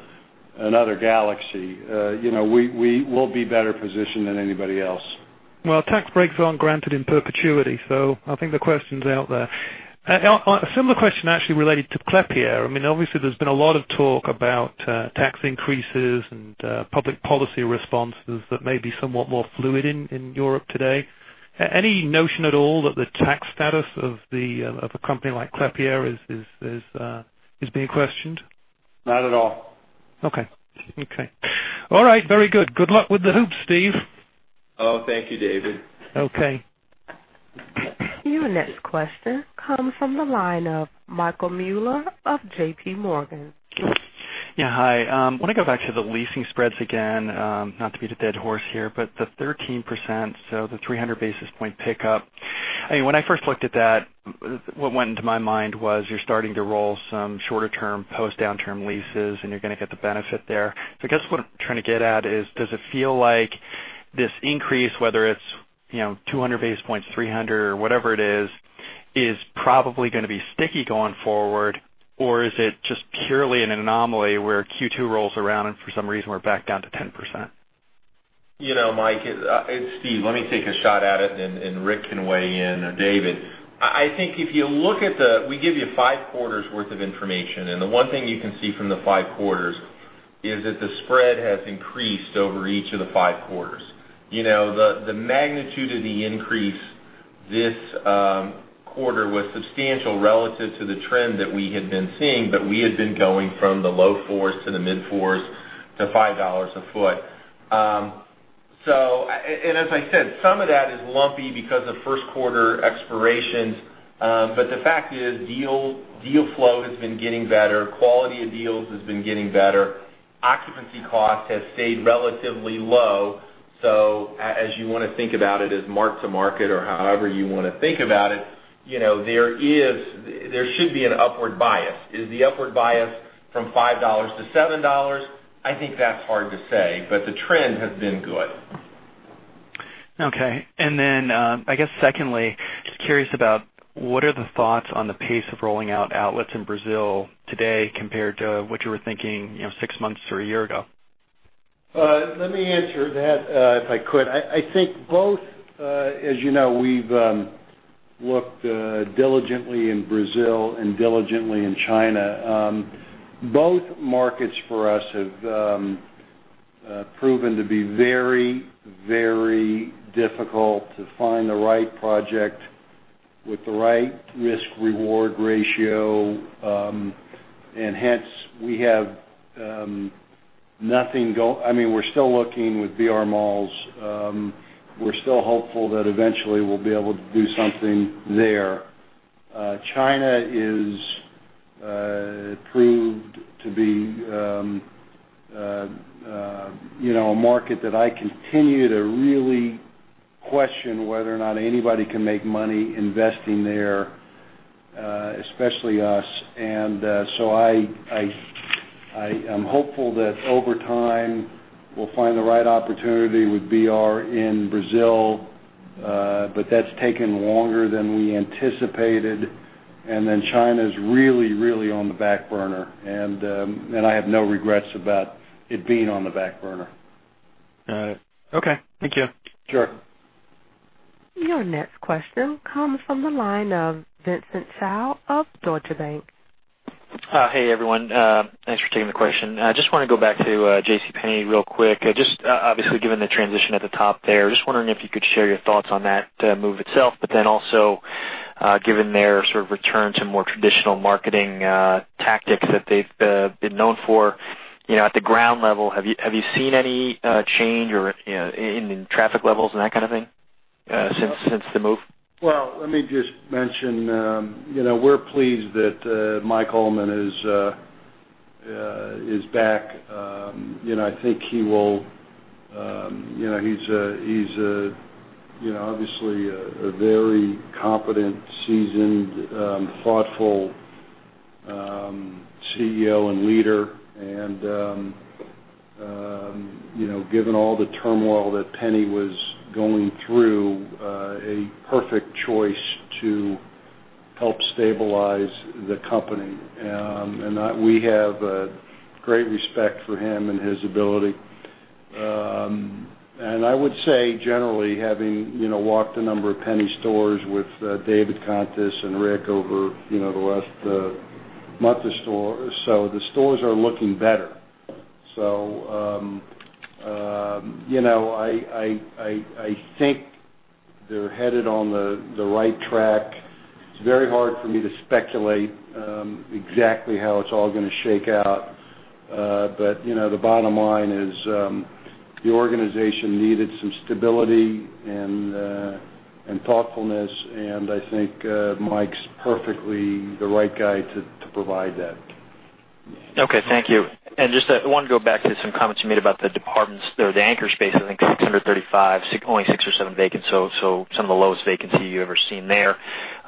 another galaxy, we will be better positioned than anybody else. Well, tax breaks aren't granted in perpetuity, so I think the question's out there. A similar question actually related to Klépierre. Obviously, there's been a lot of talk about tax increases and public policy responses that may be somewhat more fluid in Europe today. Any notion at all that the tax status of a company like Klépierre is being questioned? Not at all. Okay. All right, very good. Good luck with the hoops, Steve. Oh, thank you, David. Okay. Your next question comes from the line of Michael Mueller of JPMorgan. Yeah, hi. I want to go back to the leasing spreads again. Not to beat a dead horse here, the 13%, so the 300 basis point pickup. When I first looked at that, what went into my mind was you're starting to roll some shorter term post downturn leases, and you're going to get the benefit there. I guess what I'm trying to get at is, does it feel like this increase, whether it's 200 basis points, 300, or whatever it is probably going to be sticky going forward? Or is it just purely an anomaly where Q2 rolls around, and for some reason we're back down to 10%? Mike, it's Steve. Let me take a shot at it, Rick can weigh in, or David. I think if you look at the-- we give you five quarters' worth of information, the one thing you can see from the five quarters is that the spread has increased over each of the five quarters. The magnitude of the increase this quarter was substantial relative to the trend that we had been seeing, we had been going from the low fours to the mid fours to $5 a foot. As I said, some of that is lumpy because of first quarter expirations. The fact is, deal flow has been getting better, quality of deals has been getting better. Occupancy costs have stayed relatively low. As you want to think about it, as mark to market or however you want to think about it, there should be an upward bias. Is the upward bias from $5 to $7? I think that's hard to say, the trend has been good. Okay. Then, I guess secondly, just curious about what are the thoughts on the pace of rolling out outlets in Brazil today compared to what you were thinking six months or a year ago? Let me answer that, if I could. I think both, as you know, we've looked diligently in Brazil and diligently in China. Both markets for us have proven to be very, very difficult to find the right project with the right risk-reward ratio. Hence, we're still looking with BR Malls. We're still hopeful that eventually we'll be able to do something there. China has proved to be a market that I continue to really question whether or not anybody can make money investing there, especially us. So I'm hopeful that over time, we'll find the right opportunity with BR in Brazil. That's taken longer than we anticipated, then China's really on the back burner. I have no regrets about it being on the back burner. All right. Okay. Thank you. Sure. Your next question comes from the line of Vincent Chao of Deutsche Bank. Hey, everyone. Thanks for taking the question. I just want to go back to JCPenney real quick. Obviously, given the transition at the top there, just wondering if you could share your thoughts on that move itself. Also, given their sort of return to more traditional marketing tactics that they've been known for, at the ground level, have you seen any change or in traffic levels and that kind of thing since the move? Let me just mention, we're pleased that Mike Ullman is back. He's obviously a very competent, seasoned, thoughtful CEO, and leader. Given all the turmoil that Penney was going through, a perfect choice to help stabilize the company. We have great respect for him and his ability. I would say, generally, having walked a number of Penney stores with David Contis and Rick over the last month or so, the stores are looking better. I think they're headed on the right track. It's very hard for me to speculate exactly how it's all going to shake out. The bottom line is, the organization needed some stability and thoughtfulness, and I think Mike's perfectly the right guy to provide that. Okay. Thank you. I want to go back to some comments you made about the departments or the anchor space. I think it's 135, only six or seven vacant, so some of the lowest vacancy you've ever seen there.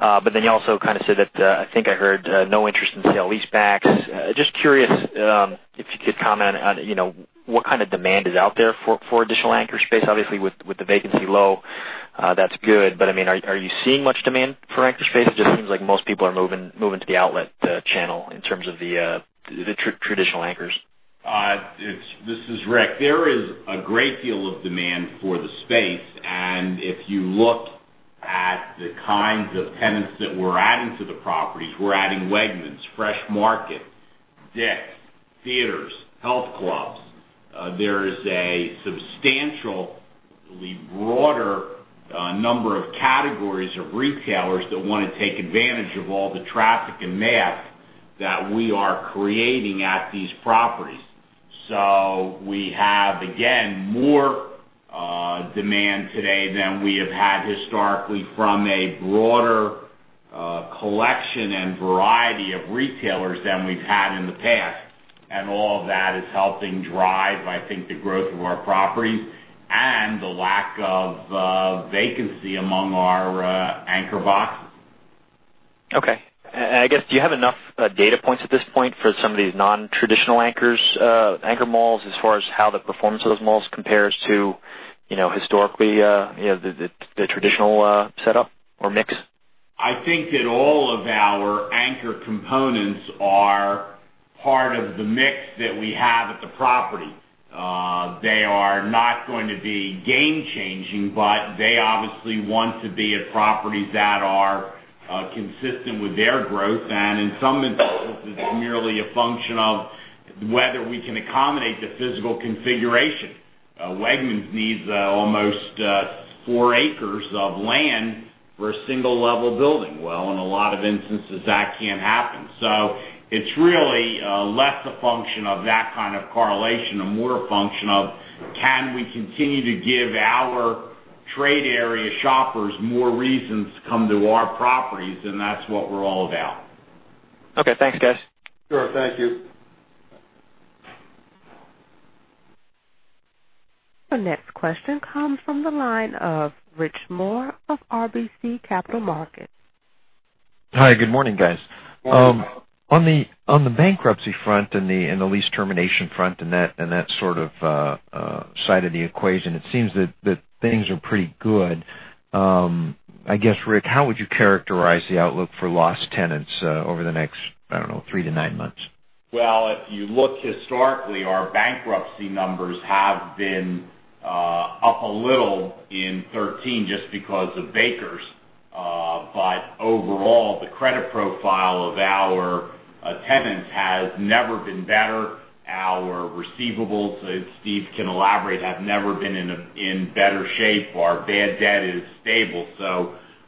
You also kind of said that, I think I heard no interest in sale-leasebacks. Curious if you could comment on what kind of demand is out there for additional anchor space. Obviously, with the vacancy low, that's good. Are you seeing much demand for anchor space? It just seems like most people are moving to the outlet channel in terms of the traditional anchors. This is Rick. There is a great deal of demand for the space, if you look at the kinds of tenants that we're adding to the properties, we're adding Wegmans, The Fresh Market, Dick's, theaters, health clubs. There is a substantially broader number of categories of retailers that want to take advantage of all the traffic and math that we are creating at these properties. We have, again, more demand today than we have had historically from a broader collection and variety of retailers than we've had in the past. All of that is helping drive, I think, the growth of our properties and the lack of vacancy among our anchor boxes. Okay. I guess, do you have enough data points at this point for some of these non-traditional anchor malls as far as how the performance of those malls compares to historically, the traditional setup or mix? I think that all of our anchor components are part of the mix that we have at the property. They are not going to be game changing, but they obviously want to be at properties that are consistent with their growth. In some instances, it's merely a function of whether we can accommodate the physical configuration. Wegmans needs almost four acres of land for a single-level building. Well, in a lot of instances, that can't happen. It's really less a function of that kind of correlation and more a function of, can we continue to give our trade area shoppers more reasons to come to our properties? That's what we're all about. Okay. Thanks, guys. Sure. Thank you. The next question comes from the line of Rich Moore of RBC Capital Markets. Hi, good morning, guys. Morning. On the bankruptcy front and the lease termination front, and that sort of side of the equation, it seems that things are pretty good. I guess, Rick, how would you characterize the outlook for lost tenants over the next, I don't know, three to nine months? If you look historically, our bankruptcy numbers have been up a little in 2013 just because of Bakers. Overall, the credit profile of our tenants has never been better. Our receivables, as Steve can elaborate, have never been in better shape. Our bad debt is stable,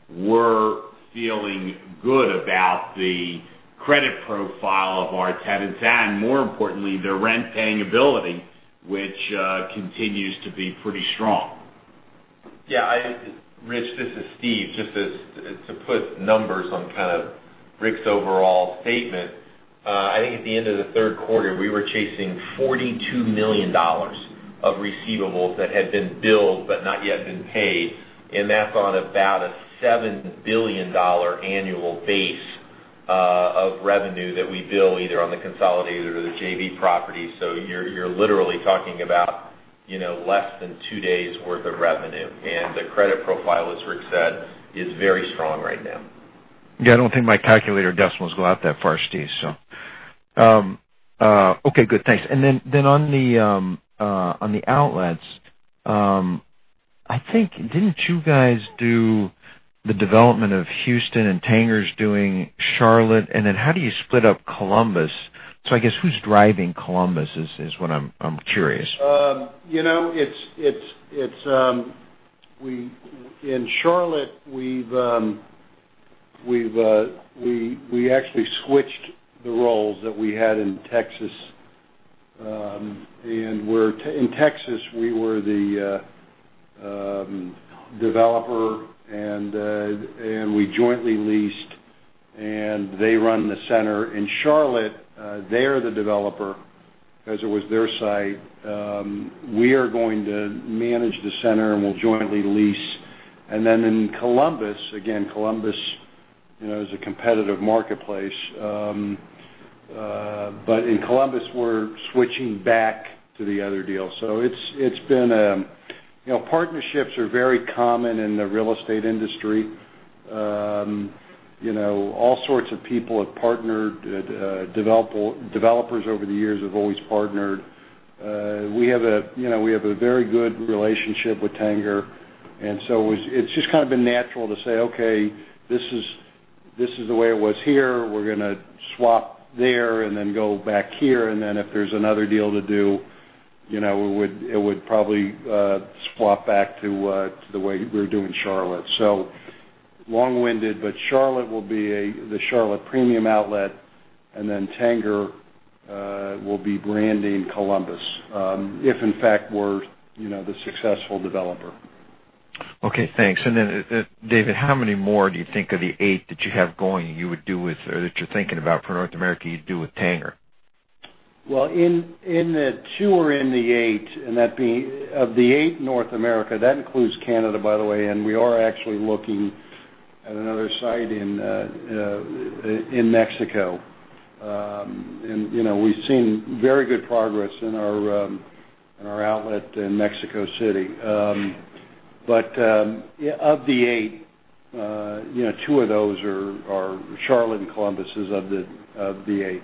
we're feeling good about the credit profile of our tenants, and more importantly, their rent-paying ability, which continues to be pretty strong. Yeah. Rich, this is Steve. Just to put numbers on kind of Rick's overall statement. I think at the end of the third quarter, we were chasing $42 million of receivables that had been billed but not yet been paid, and that's on about a $7 billion annual base of revenue that we bill either on the consolidated or the JV properties. You're literally talking about less than two days worth of revenue. The credit profile, as Rick said, is very strong right now. I don't think my calculator decimals go out that far, Steve. Okay, good. Thanks. On the outlets, I think, didn't you guys do the development of Houston and Tanger's doing Charlotte? How do you split up Columbus? I guess who's driving Columbus is what I'm curious. In Charlotte, we actually switched the roles that we had in Texas. In Texas, we were the developer, we jointly leased, they run the center. In Charlotte, they're the developer, because it was their site. We are going to manage the center, we'll jointly lease. In Columbus, again, Columbus is a competitive marketplace. In Columbus, we're switching back to the other deal. Partnerships are very common in the real estate industry. All sorts of people have partnered. Developers over the years have always partnered. We have a very good relationship with Tanger, it's just kind of been natural to say, "Okay, this is the way it was here. We're going to swap there and then go back here." If there's another deal to do, it would probably swap back to the way we're doing Charlotte. Long-winded, but Charlotte will be the Charlotte Premium Outlet, and then Tanger will be branding Columbus, if in fact, we're the successful developer. Okay, thanks. David, how many more do you think of the eight that you have going, that you're thinking about for North America, you'd do with Tanger? Two are in the eight, and that being of the eight North America, that includes Canada, by the way, and we are actually looking at another site in Mexico. Of the eight, two of those are Charlotte and Columbus is of the eight.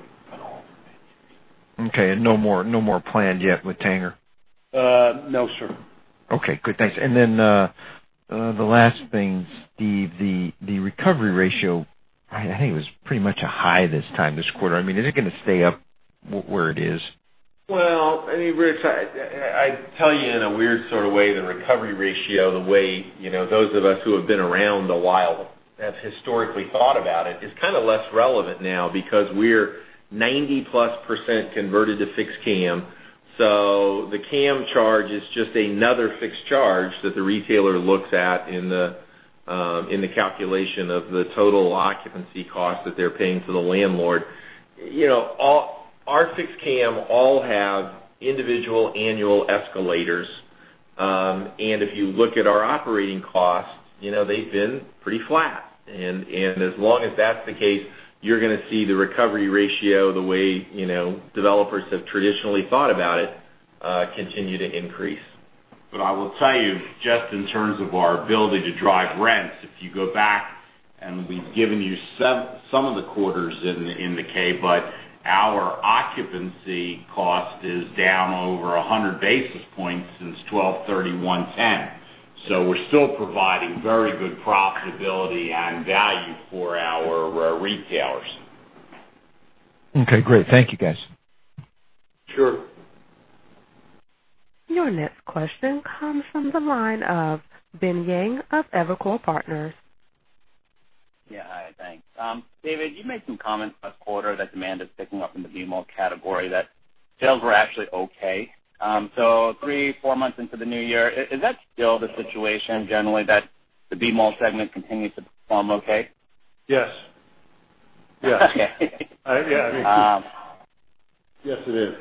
Okay, no more planned yet with Tanger? No, sir. Okay, good. Thanks. The last thing, Steve, the recovery ratio, I think it was pretty much high this time, this quarter. Is it going to stay up where it is? Well, I mean, Rich, I tell you in a weird sort of way, the recovery ratio, the way those of us who have been around a while have historically thought about it, is kind of less relevant now because we're 90-plus% converted to fixed CAM. The CAM charge is just another fixed charge that the retailer looks at in the calculation of the total occupancy cost that they're paying for the landlord. Our fixed CAM all have individual annual escalators. If you look at our operating costs, they've been pretty flat. As long as that's the case, you're going to see the recovery ratio, the way developers have traditionally thought about it, continue to increase. I will tell you, just in terms of our ability to drive rents, if you go back, and we've given you some of the quarters in the K, our occupancy cost is down over 100 basis points since 12/31/2010. We're still providing very good profitability and value for our retailers. Okay, great. Thank you, guys. Sure. Your next question comes from the line of Ben Yang of Evercore Partners. Yeah. Hi, thanks. David, you made some comments last quarter that demand is picking up in the B-mall category, that sales were actually okay. Three, four months into the new year, is that still the situation generally that the B-mall segment continues to perform okay? Yes. Okay. Yes, it is.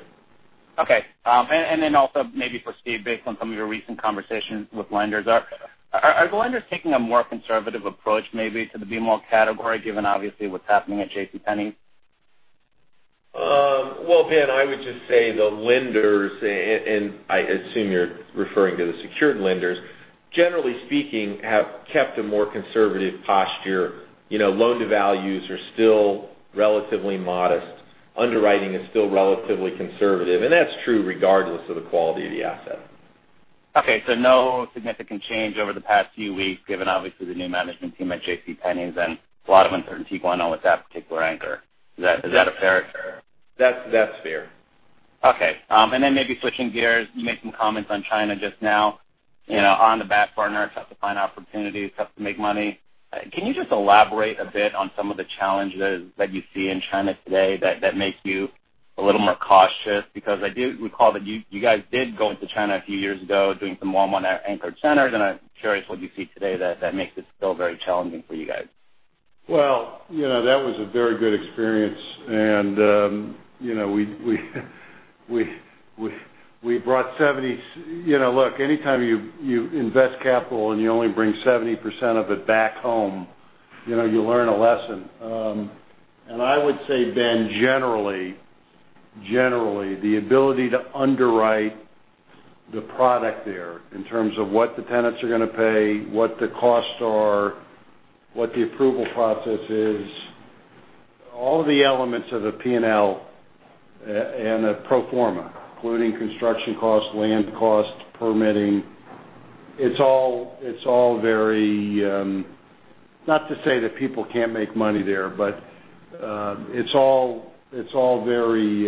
Okay. Also maybe for Steve, based on some of your recent conversations with lenders, are the lenders taking a more conservative approach maybe to the B-mall category, given obviously what's happening at JCPenney? Well, Ben, I would just say the lenders, I assume you're referring to the secured lenders, generally speaking, have kept a more conservative posture. Loan to values are still relatively modest. Underwriting is still relatively conservative, that's true regardless of the quality of the asset. Okay. No significant change over the past few weeks, given, obviously, the new management team at JCPenney's and a lot of uncertainty going on with that particular anchor. Is that fair? That's fair. Okay. Maybe switching gears, you made some comments on China just now. On the back burner, tough to find opportunities, tough to make money. Can you just elaborate a bit on some of the challenges that you see in China today that makes you a little more cautious? I do recall that you guys did go into China a few years ago, doing some mall and anchor centers, and I'm curious what you see today that makes it still very challenging for you guys. Well, that was a very good experience, [we brought 70]. Look, anytime you invest capital and you only bring 70% of it back home, you learn a lesson. I would say, Ben, generally, the ability to underwrite the product there in terms of what the tenants are going to pay, what the costs are, what the approval process is, all the elements of the P&L and a pro forma, including construction cost, land cost, permitting. Not to say that people can't make money there, but it's all very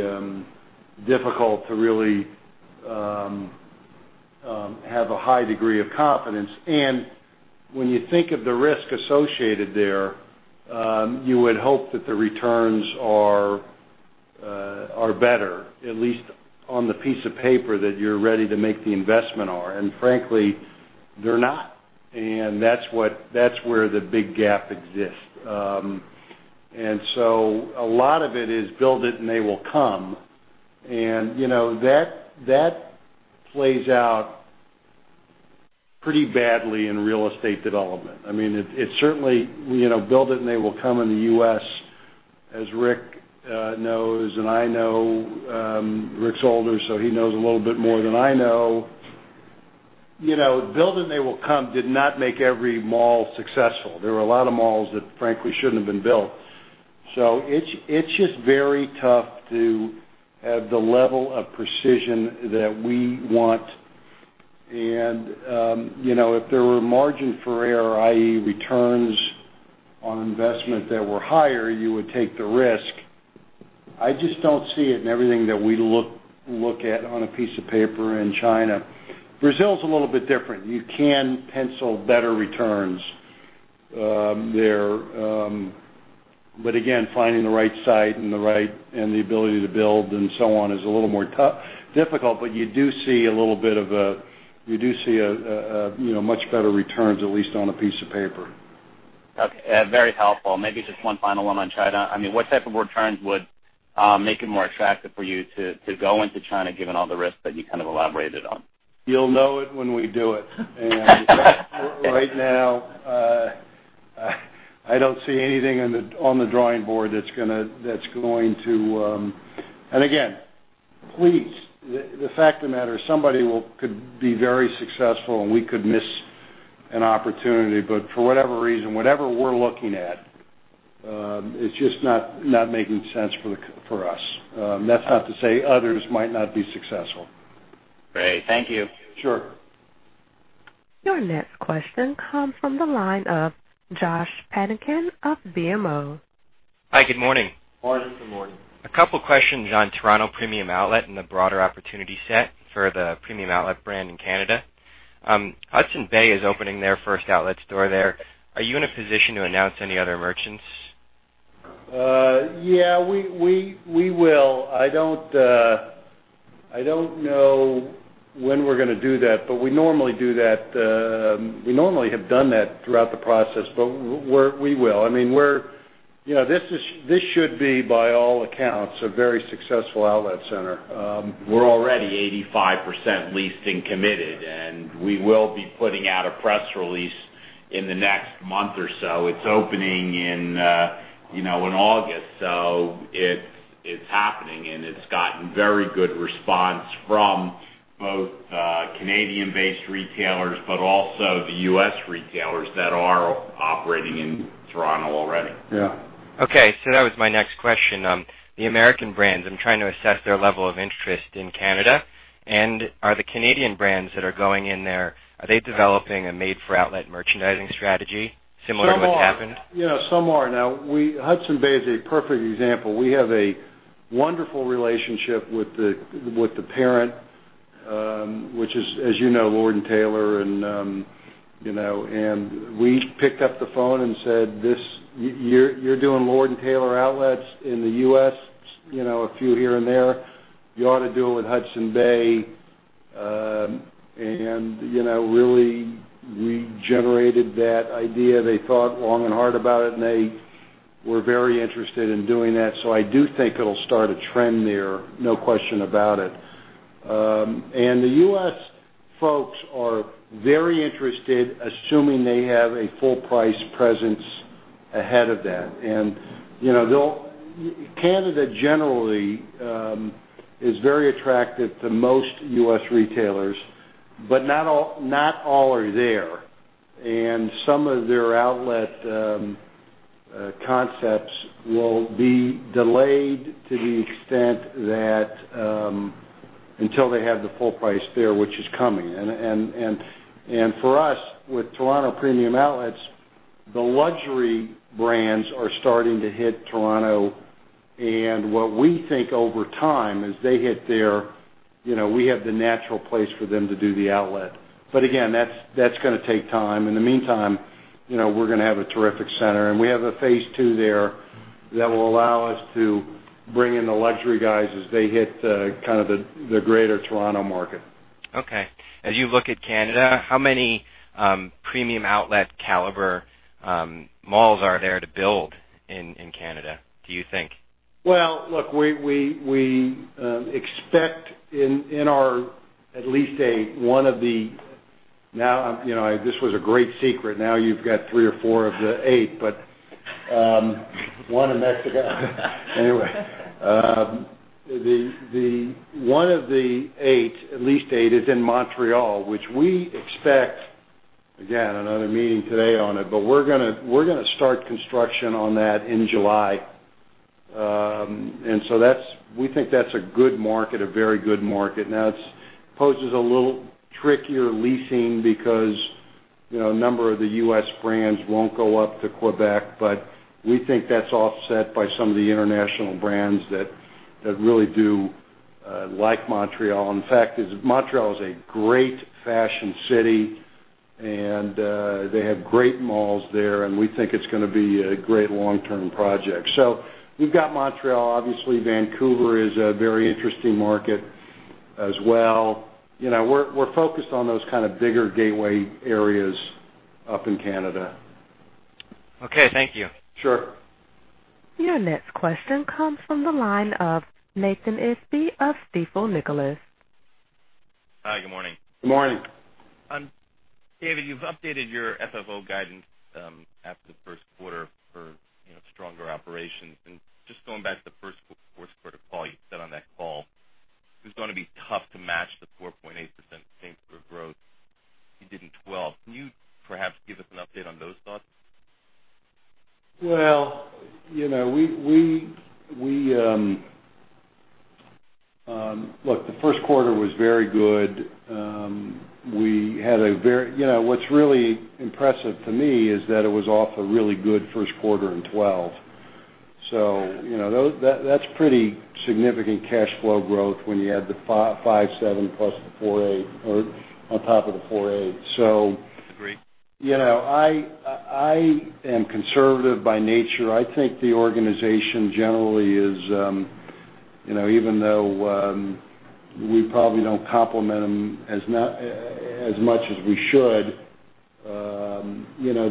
difficult to really have a high degree of confidence. When you think of the risk associated there, you would hope that the returns are better, at least on the piece of paper that you're ready to make the investment on. Frankly, they're not. That's where the big gap exists. A lot of it is build it and they will come. That plays out pretty badly in real estate development. I mean, it certainly, build it and they will come in the U.S. As Rick knows, and I know, Rick's older, so he knows a little bit more than I know. Building they will come did not make every mall successful. There were a lot of malls that frankly shouldn't have been built. It's just very tough to have the level of precision that we want and if there were margin for error, i.e. returns on investment that were higher, you would take the risk. I just don't see it in everything that we look at on a piece of paper in China. Brazil is a little bit different. You can pencil better returns there. Again, finding the right site and the ability to build and so on is a little more difficult, you do see much better returns, at least on a piece of paper. Okay. Very helpful. Maybe just one final one on China. What type of returns would make it more attractive for you to go into China, given all the risks that you kind of elaborated on? You'll know it when we do it. Right now, I don't see anything on the drawing board. Again, please, the fact of the matter, somebody could be very successful, and we could miss an opportunity, but for whatever reason, whatever we're looking at, it's just not making sense for us. That's not to say others might not be successful. Great. Thank you. Sure. Your next question comes from the line of Josh Dennerlein of BMO. Hi, good morning. Josh, good morning. A couple questions on Toronto Premium Outlets and the broader opportunity set for the premium outlet brand in Canada. Hudson Bay is opening their first outlet store there. Are you in a position to announce any other merchants? Yeah, we will. I don't know when we're going to do that, but we normally have done that throughout the process, but we will. This should be, by all accounts, a very successful outlet center. We're already 85% leased and committed. We will be putting out a press release in the next month or so. It's opening in August, so it's happening. It's gotten very good response from both Canadian-based retailers, but also the U.S. retailers that are operating in Toronto already. Yeah. Okay. That was my next question. The American brands, I'm trying to assess their level of interest in Canada. Are the Canadian brands that are going in there, are they developing a made-for-outlet merchandising strategy similar to what's happened? Some are. Now Hudson Bay is a perfect example. We have a wonderful relationship with the parent, which is, as you know, Lord & Taylor. We picked up the phone and said, "You're doing Lord & Taylor outlets in the U.S., a few here and there. You ought to do it with Hudson Bay." Really, we generated that idea. They thought long and hard about it. They were very interested in doing that. I do think it'll start a trend there, no question about it. The U.S. folks are very interested, assuming they have a full price presence ahead of that. Canada generally is very attractive to most U.S. retailers, but not all are there. Some of their outlet concepts will be delayed to the extent that until they have the full price there, which is coming. For us, with Toronto Premium Outlets, the luxury brands are starting to hit Toronto. What we think over time, as they hit there, we have the natural place for them to do the outlet. Again, that's going to take time. In the meantime, we're going to have a terrific center. We have a phase two there that will allow us to bring in the luxury guys as they hit the Greater Toronto market. Okay. As you look at Canada, how many Premium Outlet caliber malls are there to build in Canada, do you think? Well, look, This was a great secret. Now you've got three or four of the eight, but- One in Mexico. Anyway. One of the eight, at least eight, is in Montreal, which we expect, again, another meeting today on it, but we're going to start construction on that in July. We think that's a good market, a very good market. Now, it poses a little trickier leasing because a number of the U.S. brands won't go up to Quebec, but we think that's offset by some of the international brands that really do like Montreal. The fact is, Montreal is a great fashion city, and they have great malls there, and we think it's going to be a great long-term project. We've got Montreal. Obviously, Vancouver is a very interesting market as well. We're focused on those kind of bigger gateway areas up in Canada. Okay. Thank you. Sure. Your next question comes from the line of Nathan Isbee of Stifel Nicolaus. Hi, good morning. Good morning. David, you've updated your FFO guidance after the first quarter for stronger operations. Just going back to the first quarter call, you said on that call it was going to be tough to match the 4.8% same-store growth you did in 2012. Can you perhaps give us an update on those thoughts? Well, look, the first quarter was very good. What's really impressive to me is that it was off a really good first quarter in 2012. That's pretty significant cash flow growth when you add the 5.7% plus the 4.8%, or on top of the 4.8%. Agreed. I am conservative by nature. I think the organization generally is, even though we probably don't compliment them as much as we should,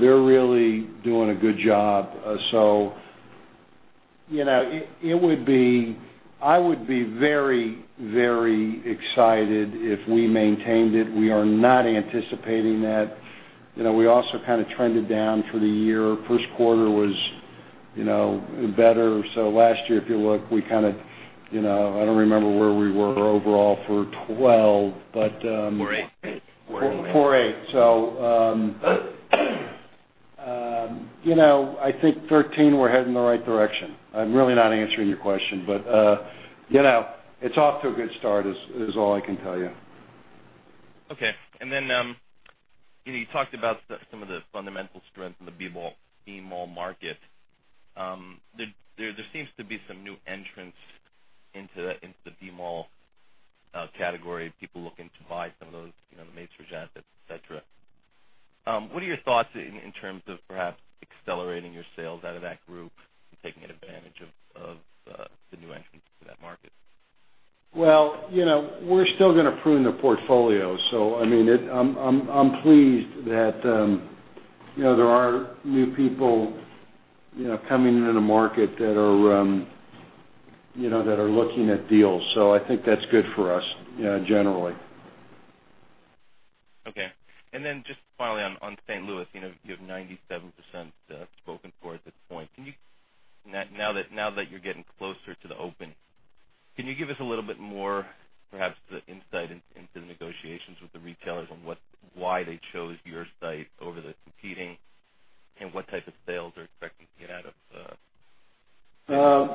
they're really doing a good job. I would be very excited if we maintained it. We are not anticipating that. We also kind of trended down for the year. First quarter was better. Last year, if you look, I don't remember where we were overall for 2012. 4.8%. Four eight. I think 2013, we're heading in the right direction. I'm really not answering your question. It's off to a good start is all I can tell you. Okay. You talked about some of the fundamental strengths in the B-mall market. There seems to be some new entrants into the B-mall category, people looking to buy some of those, the major assets, et cetera. What are your thoughts in terms of perhaps accelerating your sales out of that group and taking advantage of the new entrants to that market? We're still going to prune the portfolio. I'm pleased that there are new people coming into the market that are looking at deals. I think that's good for us generally. Okay. Just finally, on St. Louis, you have 97% spoken for at this point. Now that you're getting closer to the open, can you give us a little bit more, perhaps, the insight into the negotiations with the retailers on why they chose your site over the competing, and what type of sales are you expecting to get out of-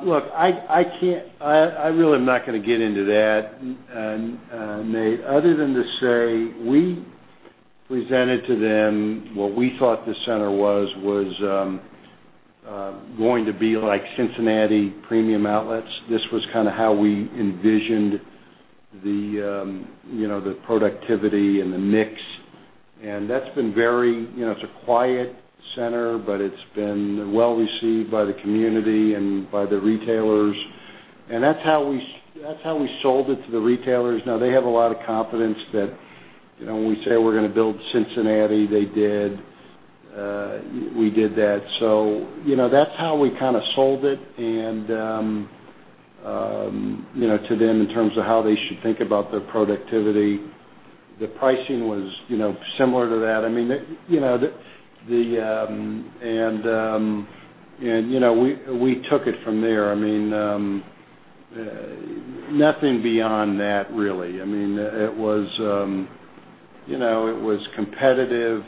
Look, I really am not going to get into that, Nate, other than to say we presented to them what we thought the center was going to be like Cincinnati Premium Outlets. This was kind of how we envisioned the productivity and the mix. It's a quiet center, but it's been well received by the community and by the retailers. That's how we sold it to the retailers. Now they have a lot of confidence that we say we're going to build Cincinnati, they did. We did that. That's how we kind of sold it to them in terms of how they should think about their productivity. The pricing was similar to that. We took it from there. Nothing beyond that, really. It was competitive,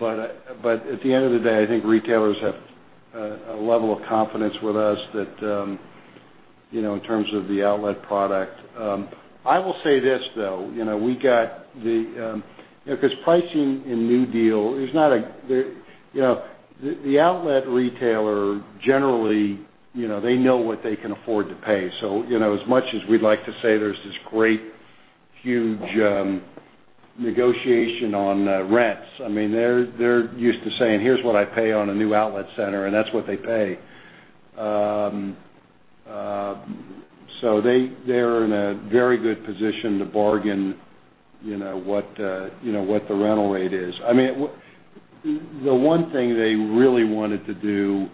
at the end of the day, I think retailers have a level of confidence with us in terms of the outlet product. I will say this, though, because pricing in new deal, the outlet retailer, generally, they know what they can afford to pay. As much as we'd like to say there's this great, huge negotiation on rents, they're used to saying, "Here's what I pay on a new outlet center," and that's what they pay. They're in a very good position to bargain what the rental rate is. The one thing they really wanted to do,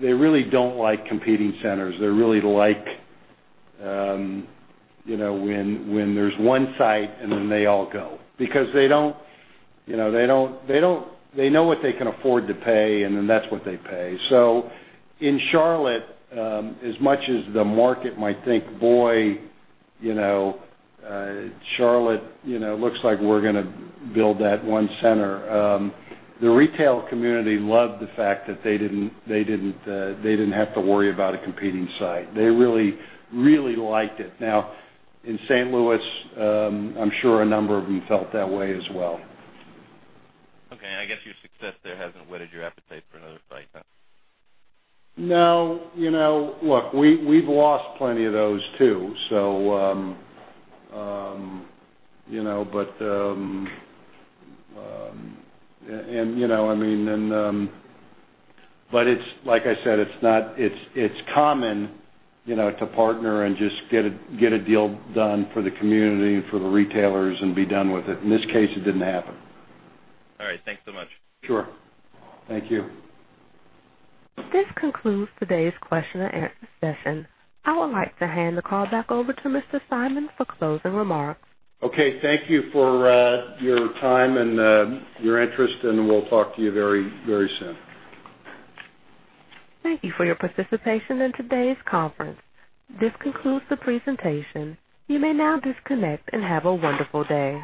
they really don't like competing centers. They really like when there's one site and then they all go because they know what they can afford to pay, and then that's what they pay. In Charlotte, as much as the market might think, boy, Charlotte, looks like we're going to build that one center, the retail community loved the fact that they didn't have to worry about a competing site. They really liked it. Now, in St. Louis, I'm sure a number of them felt that way as well. Okay. I guess your success there hasn't wetted your appetite for another site, huh? No. Look, we've lost plenty of those, too. Like I said, it's common to partner and just get a deal done for the community and for the retailers and be done with it. In this case, it didn't happen. All right. Thanks so much. Sure. Thank you. This concludes today's question and answer session. I would like to hand the call back over to Mr. Simon for closing remarks. Okay. Thank you for your time and your interest, and we'll talk to you very soon. Thank you for your participation in today's conference. This concludes the presentation. You may now disconnect and have a wonderful day.